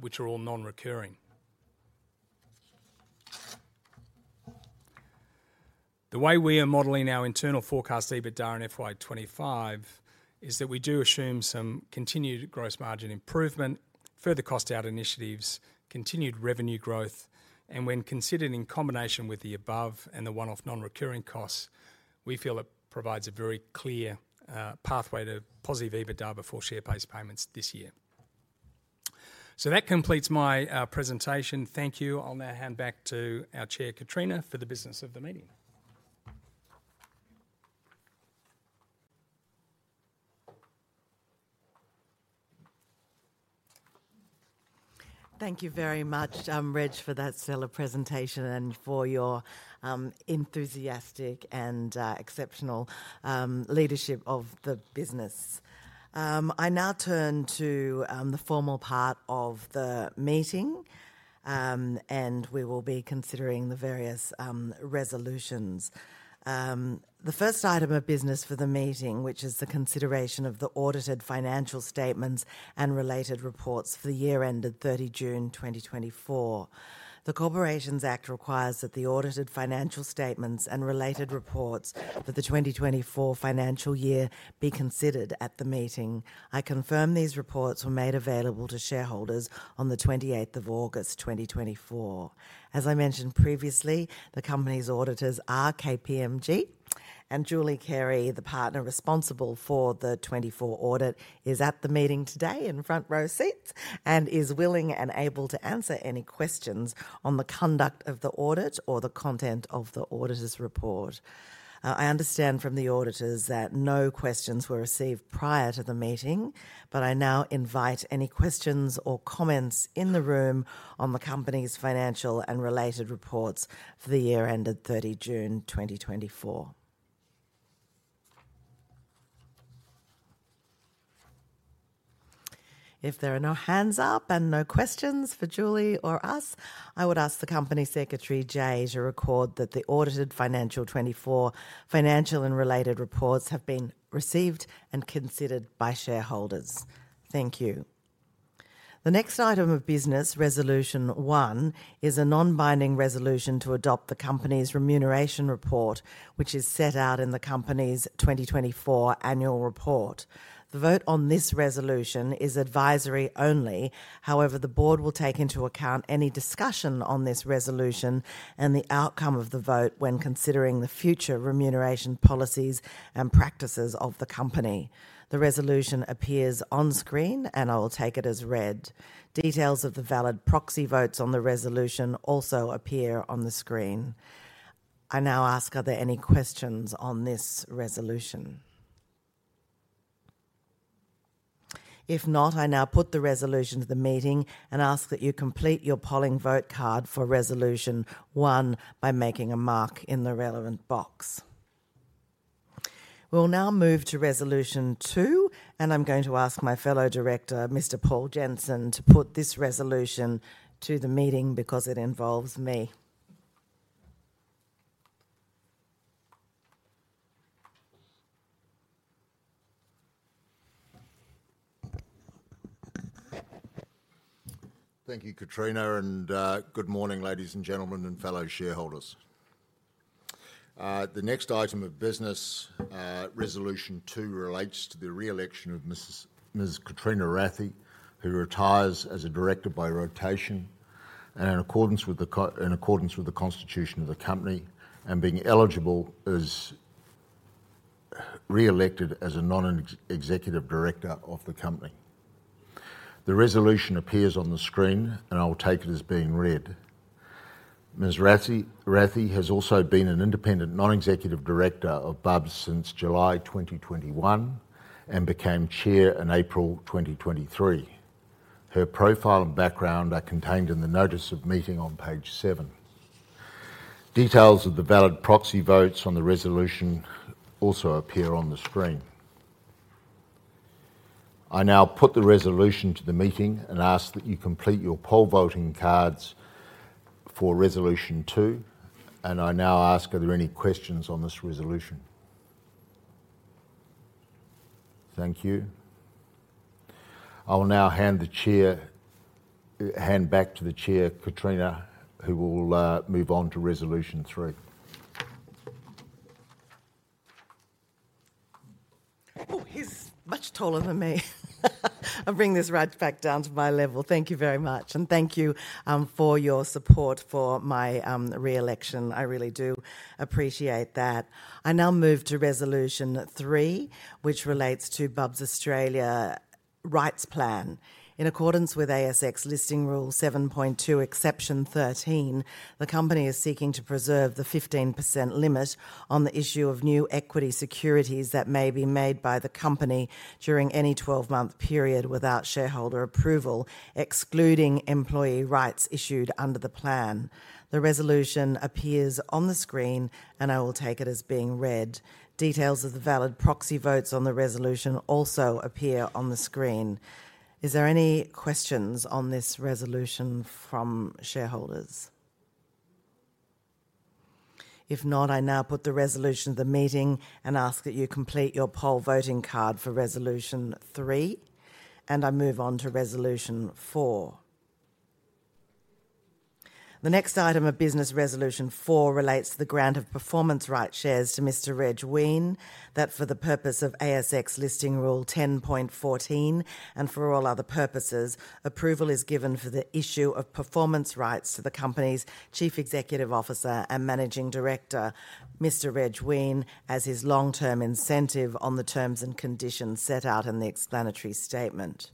Speaker 2: which are all non-recurring. The way we are modeling our internal forecast EBITDA in FY25 is that we do assume some continued gross margin improvement, further cost-out initiatives, continued revenue growth. When considered in combination with the above and the one-off non-recurring costs, we feel it provides a very clear pathway to positive EBITDA before share-based payments this year. That completes my presentation. Thank you. I'll now hand back to our Chair, Katrina, for the business of the meeting.
Speaker 1: Thank you very much, Reg, for that stellar presentation and for your enthusiastic and exceptional leadership of the business. I now turn to the formal part of the meeting, and we will be considering the various resolutions. The first item of business for the meeting, which is the consideration of the audited financial statements and related reports for the year ended 30 June 2024. The Corporations Act requires that the audited financial statements and related reports for the 2024 financial year be considered at the meeting. I confirm these reports were made available to shareholders on the 28th of August 2024. As I mentioned previously, the company's auditors are KPMG, and Julie Carey, the partner responsible for the '24 audit, is at the meeting today in front-row seats and is willing and able to answer any questions on the conduct of the audit or the content of the auditor's report. I understand from the auditors that no questions were received prior to the meeting, but I now invite any questions or comments in the room on the company's financial and related reports for the year ended 30 June 2024. If there are no hands up and no questions for Julie or us, I would ask the company secretary, Jay, to record that the audited financial '24 and related reports have been received and considered by shareholders. Thank you. The next item of business, Resolution One, is a non-binding resolution to adopt the company's remuneration report, which is set out in the company's 2024 annual report. The vote on this resolution is advisory only. However, the board will take into account any discussion on this resolution and the outcome of the vote when considering the future remuneration policies and practices of the company. The resolution appears on screen, and I will take it as read. Details of the valid proxy votes on the resolution also appear on the screen. I now ask, are there any questions on this resolution? If not, I now put the resolution to the meeting and ask that you complete your polling vote card for Resolution One by making a mark in the relevant box. We'll now move to Resolution Two, and I'm going to ask my fellow director, Mr. Paul Jensen, to put this resolution to the meeting because it involves me.
Speaker 3: Thank you, Katrina, and good morning, ladies and gentlemen, and fellow shareholders. The next item of business, Resolution Two, relates to the re-election of Ms. Katrina Rathie, who retires as a director by rotation and in accordance with the constitution of the company and being eligible is re-elected as a non-executive director of the company. The resolution appears on the screen, and I will take it as being read. Ms. Rathie has also been an independent non-executive director of Bubs since July 2021 and became chair in April 2023. Her profile and background are contained in the notice of meeting on page seven. Details of the valid proxy votes on the resolution also appear on the screen. I now put the resolution to the meeting and ask that you complete your poll voting cards for Resolution Two. I now ask, are there any questions on this resolution? Thank you. I will now hand the chair back to the chair, Katrina, who will move on to Resolution Three.
Speaker 1: Oh, he's much taller than me. I'll bring this right back down to my level. Thank you very much. Thank you for your support for my re-election. I really do appreciate that. I now move to Resolution Three, which relates to Bubs Australia Rights Plan. In accordance with ASX Listing Rule 7.2, Exception 13, the company is seeking to preserve the 15% limit on the issue of new equity securities that may be made by the company during any 12-month period without shareholder approval, excluding employee rights issued under the plan. The resolution appears on the screen, and I will take it as being read. Details of the valid proxy votes on the resolution also appear on the screen. Is there any questions on this resolution from shareholders? If not, I now put the resolution to the meeting and ask that you complete your poll voting card for Resolution Three, and I move on to Resolution Four. The next item of business, Resolution Four, relates to the grant of performance rights shares to Mr. Reg Weine, that for the purpose of ASX Listing Rule 10.14 and for all other purposes, approval is given for the issue of performance rights to the company's Chief Executive Officer and Managing Director, Mr. Reg Weine, as his long-term incentive on the terms and conditions set out in the explanatory statement.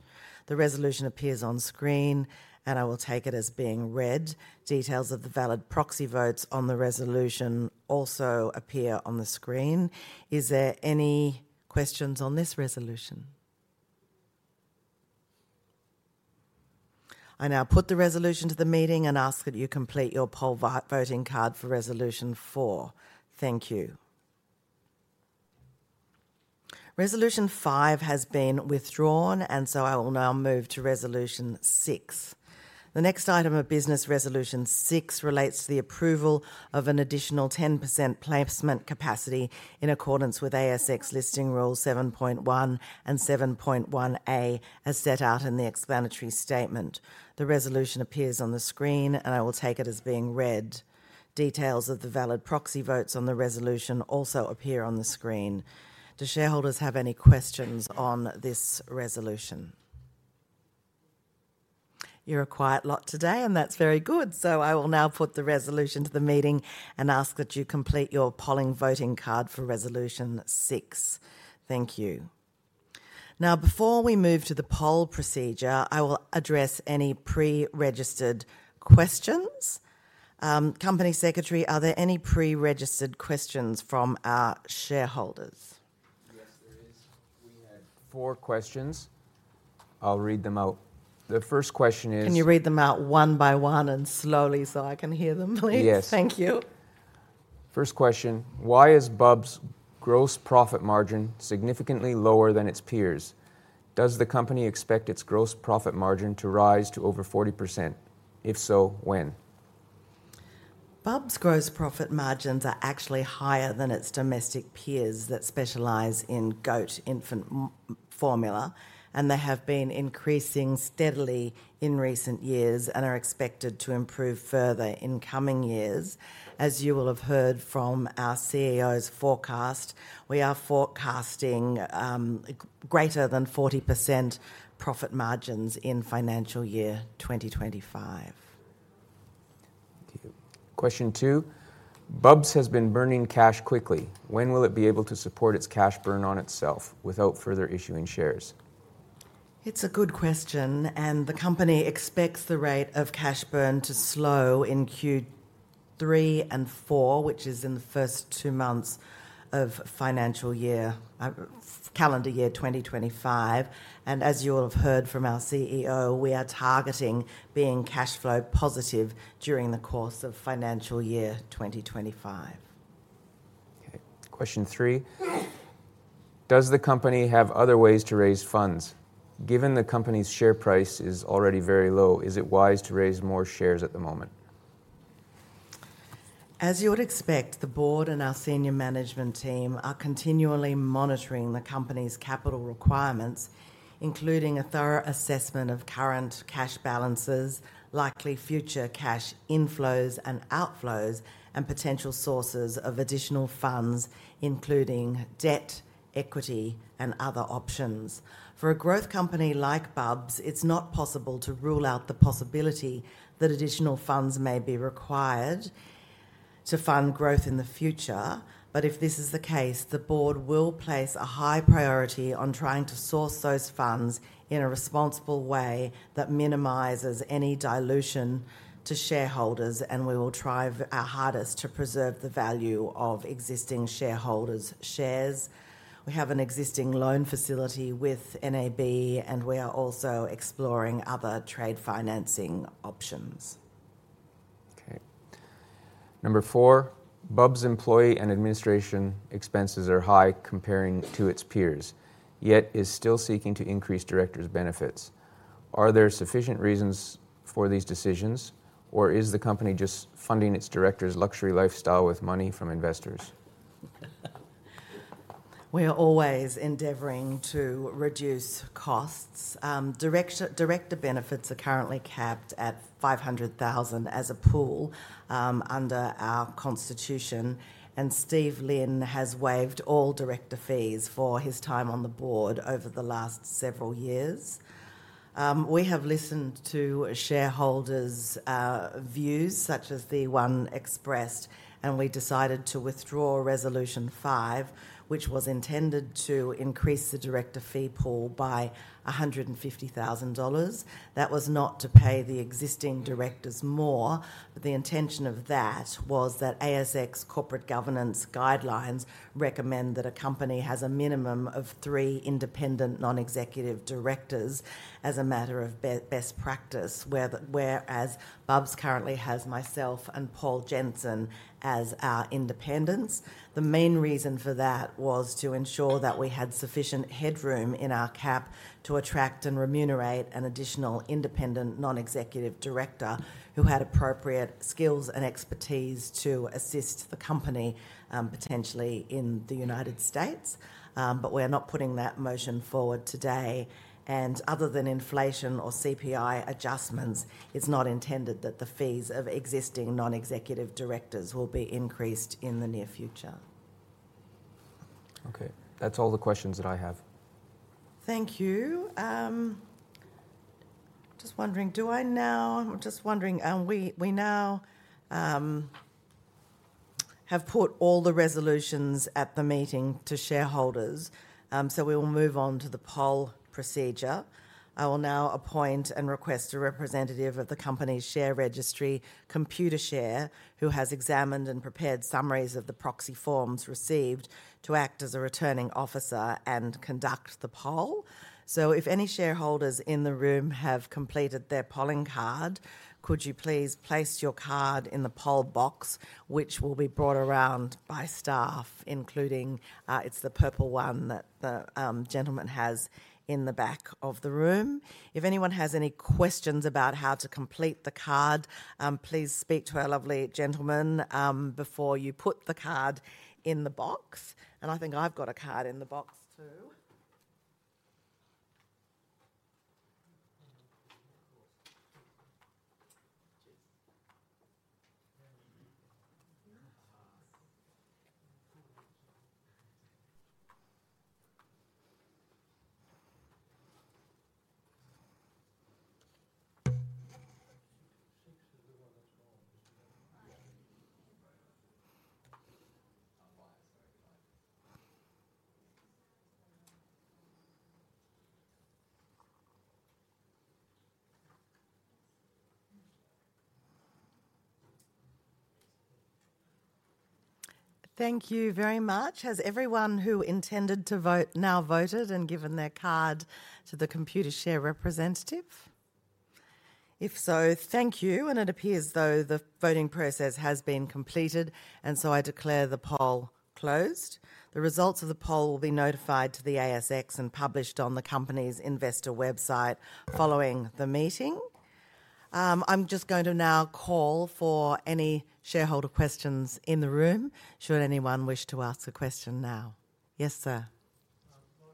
Speaker 1: The resolution appears on screen, and I will take it as being read. Details of the valid proxy votes on the resolution also appear on the screen. Is there any questions on this resolution? I now put the resolution to the meeting and ask that you complete your poll voting card for Resolution Four. Thank you. Resolution Five has been withdrawn, and so I will now move to Resolution Six. The next item of business, Resolution Six, relates to the approval of an additional 10% placement capacity in accordance with ASX Listing Rule 7.1 and 7.1A, as set out in the explanatory statement. The resolution appears on the screen, and I will take it as being read. Details of the valid proxy votes on the resolution also appear on the screen. Do shareholders have any questions on this resolution? You're a quiet lot today, and that's very good. So I will now put the resolution to the meeting and ask that you complete your poll voting card for Resolution Six. Thank you. Now, before we move to the poll procedure, I will address any pre-registered questions. Company Secretary, are there any pre-registered questions from our shareholders?
Speaker 4: Yes, there is. We had four questions. I'll read them out. The first question is.
Speaker 2: Can you read them out one by one and slowly so I can hear them, please?
Speaker 4: Yes.
Speaker 1: Thank you.
Speaker 4: First question, why is Bubs' gross profit margin significantly lower than its peers? Does the company expect its gross profit margin to rise to over 40%? If so, when?
Speaker 1: Bubs' gross profit margins are actually higher than its domestic peers that specialize in goat infant formula, and they have been increasing steadily in recent years and are expected to improve further in coming years. As you will have heard from our CEO's forecast, we are forecasting greater than 40% profit margins in financial year 2025.
Speaker 4: Thank you. Question two, Bubs has been burning cash quickly. When will it be able to support its cash burn on itself without further issuing shares?
Speaker 2: It's a good question, and the company expects the rate of cash burn to slow in Q3 and Q4, which is in the first two months of financial year, calendar year 2025, and as you will have heard from our CEO, we are targeting being cash flow positive during the course of financial year 2025.
Speaker 4: Okay. Question three, does the company have other ways to raise funds? Given the company's share price is already very low, is it wise to raise more shares at the moment?
Speaker 2: As you would expect, the board and our senior management team are continually monitoring the company's capital requirements, including a thorough assessment of current cash balances, likely future cash inflows and outflows, and potential sources of additional funds, including debt, equity, and other options. For a growth company like Bubs, it's not possible to rule out the possibility that additional funds may be required to fund growth in the future. But if this is the case, the board will place a high priority on trying to source those funds in a responsible way that minimizes any dilution to shareholders, and we will try our hardest to preserve the value of existing shareholders' shares. We have an existing loan facility with NAB, and we are also exploring other trade financing options.
Speaker 4: Okay. Number four, Bubs' employee and administration expenses are high compared to its peers, yet is still seeking to increase directors' benefits. Are there sufficient reasons for these decisions, or is the company just funding its directors' luxury lifestyle with money from investors?
Speaker 2: We are always endeavoring to reduce costs. Director benefits are currently capped at 500,000 as a pool under our constitution, and Steve Lin has waived all director fees for his time on the board over the last several years. We have listened to shareholders' views, such as the one expressed, and we decided to withdraw Resolution Five, which was intended to increase the director fee pool by 150,000 dollars. That was not to pay the existing directors more, but the intention of that was that ASX Corporate Governance Guidelines recommend that a company has a minimum of three independent non-executive directors as a matter of best practice, whereas Bubs currently has myself and Paul Jensen as our independents. The main reason for that was to ensure that we had sufficient headroom in our cap to attract and remunerate an additional independent non-executive director who had appropriate skills and expertise to assist the company potentially in the United States. But we are not putting that motion forward today. And other than inflation or CPI adjustments, it's not intended that the fees of existing non-executive directors will be increased in the near future.
Speaker 4: Okay. That's all the questions that I have.
Speaker 1: Thank you. We now have put all the resolutions at the meeting to shareholders, so we will move on to the poll procedure. I will now appoint and request a representative of the company's share registry, Computershare, who has examined and prepared summaries of the proxy forms received to act as a returning officer and conduct the poll. So if any shareholders in the room have completed their polling card, could you please place your card in the poll box, which will be brought around by staff, including it's the purple one that the gentleman has in the back of the room. If anyone has any questions about how to complete the card, please speak to our lovely gentleman before you put the card in the box. I think I've got a card in the box too. Thank you very much. Has everyone who intended to vote now voted and given their card to the Computershare representative? If so, thank you. And it appears though the voting process has been completed, and so I declare the poll closed. The results of the poll will be notified to the ASX and published on the company's investor website following the meeting. I'm just going to now call for any shareholder questions in the room. Should anyone wish to ask a question now? Yes, sir. I'm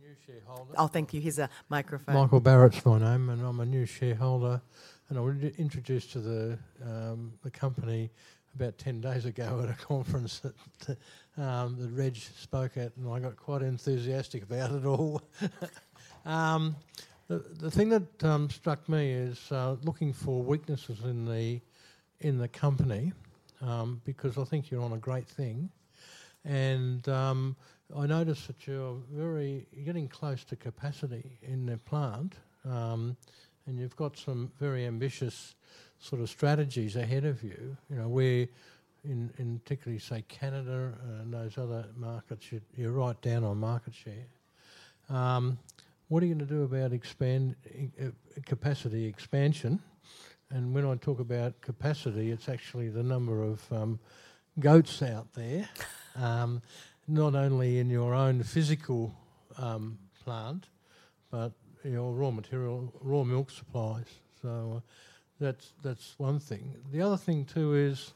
Speaker 1: a new shareholder.
Speaker 2: Oh, thank you. He has a microphone. Michael Barrett's my name, and I'm a new shareholder. And I was introduced to the company about 10 days ago at a conference that Reg spoke at, and I got quite enthusiastic about it all. The thing that struck me is looking for weaknesses in the company because I think you're on a great thing. And I noticed that you're getting very close to capacity in the plant, and you've got some very ambitious sort of strategies ahead of you. You know, we're in, particularly, say, Canada and those other markets, you're right down on market share. What are you going to do about capacity expansion? And when I talk about capacity, it's actually the number of goats out there, not only in your own physical plant, but your raw material, raw milk supplies. So that's one thing. The other thing too is,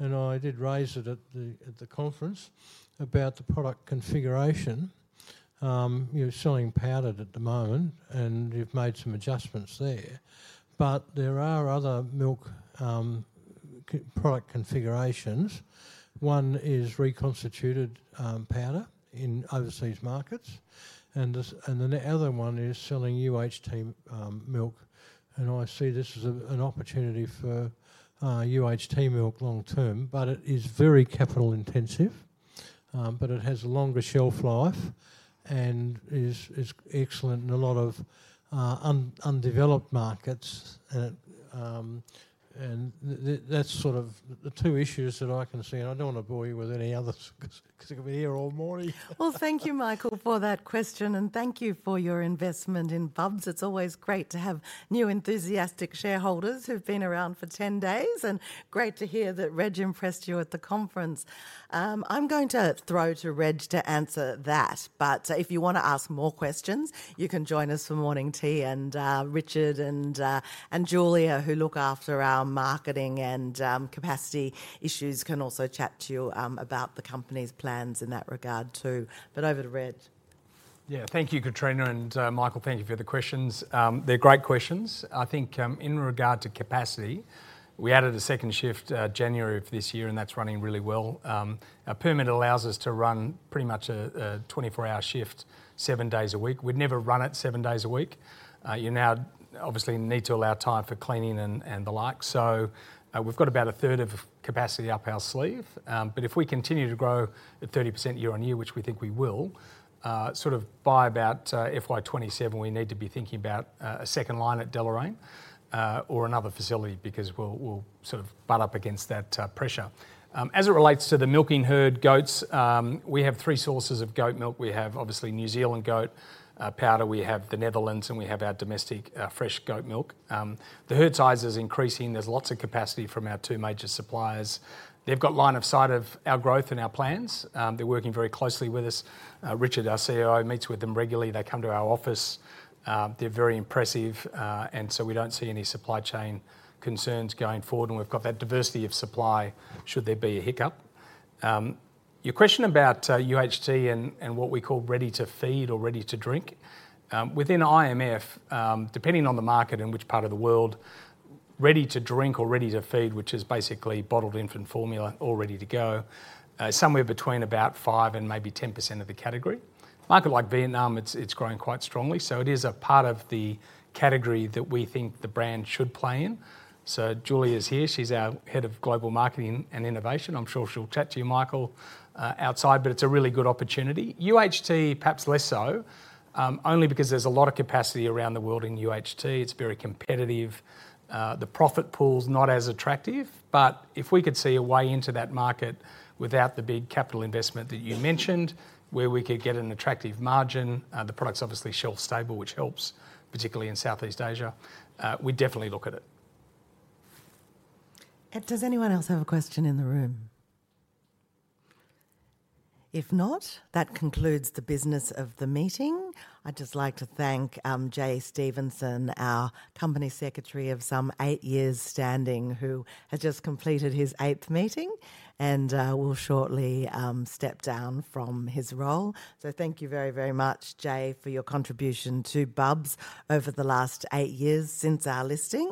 Speaker 2: and I did raise it at the conference about the product configuration. You're selling powdered at the moment, and you've made some adjustments there, but there are other milk product configurations. One is reconstituted powder in overseas markets, and the other one is selling UHT milk, and I see this as an opportunity for UHT milk long term, but it is very capital intensive, but it has a longer shelf life and is excellent in a lot of undeveloped markets, and that's sort of the two issues that I can see, and I don't want to bore you with any others because it could be here all morning.
Speaker 1: Thank you, Michael, for that question, and thank you for your investment in Bubs. It's always great to have new enthusiastic shareholders who've been around for 10 days, and great to hear that Reg impressed you at the conference. I'm going to throw to Reg to answer that, but if you want to ask more questions, you can join us for morning tea, and Richard and Julia, who look after our marketing and capacity issues, can also chat to you about the company's plans in that regard too. But over to Reg.
Speaker 2: Yeah, thank you, Katrina, and Michael, thank you for the questions. They're great questions. I think in regard to capacity, we added a second shift January of this year, and that's running really well. Our permit allows us to run pretty much a 24-hour shift, seven days a week. We'd never run it seven days a week. You now obviously need to allow time for cleaning and the like. So we've got about a third of capacity up our sleeve. But if we continue to grow at 30% year on year, which we think we will, sort of by about FY27, we need to be thinking about a second line at Deloraine or another facility because we'll sort of butt up against that pressure. As it relates to the milking herd, goats, we have three sources of goat milk. We have obviously New Zealand goat powder, we have the Netherlands, and we have our domestic fresh goat milk. The herd size is increasing. There's lots of capacity from our two major suppliers. They've got line of sight of our growth and our plans. They're working very closely with us. Richard, our CEO, meets with them regularly. They come to our office. They're very impressive, and so we don't see any supply chain concerns going forward, and we've got that diversity of supply should there be a hiccup. Your question about UHT and what we call ready to feed or ready to drink, within IMF, depending on the market and which part of the world, ready to drink or ready to feed, which is basically bottled infant formula or ready to go, somewhere between about 5% and maybe 10% of the category. Markets like Vietnam, it's growing quite strongly, so it is a part of the category that we think the brand should play in. So Julia's here. She's our head of global marketing and innovation. I'm sure she'll chat to you, Michael, outside, but it's a really good opportunity. UHT, perhaps less so, only because there's a lot of capacity around the world in UHT. It's very competitive. The profit pool's not as attractive, but if we could see a way into that market without the big capital investment that you mentioned, where we could get an attractive margin, the product's obviously shelf stable, which helps, particularly in Southeast Asia, we'd definitely look at it.
Speaker 1: Does anyone else have a question in the room? If not, that concludes the business of the meeting. I'd just like to thank Jay Stephenson, our Company Secretary of some eight years standing, who has just completed his eighth meeting and will shortly step down from his role. So thank you very, very much, Jay, for your contribution to Bubs over the last eight years since our listing.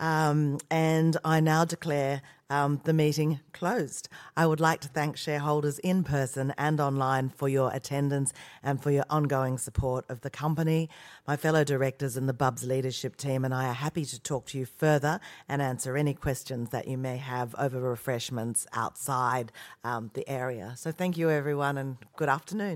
Speaker 1: And I now declare the meeting closed. I would like to thank shareholders in person and online for your attendance and for your ongoing support of the company. My fellow directors and the Bubs leadership team and I are happy to talk to you further and answer any questions that you may have over refreshments outside the area. So thank you, everyone, and good afternoon.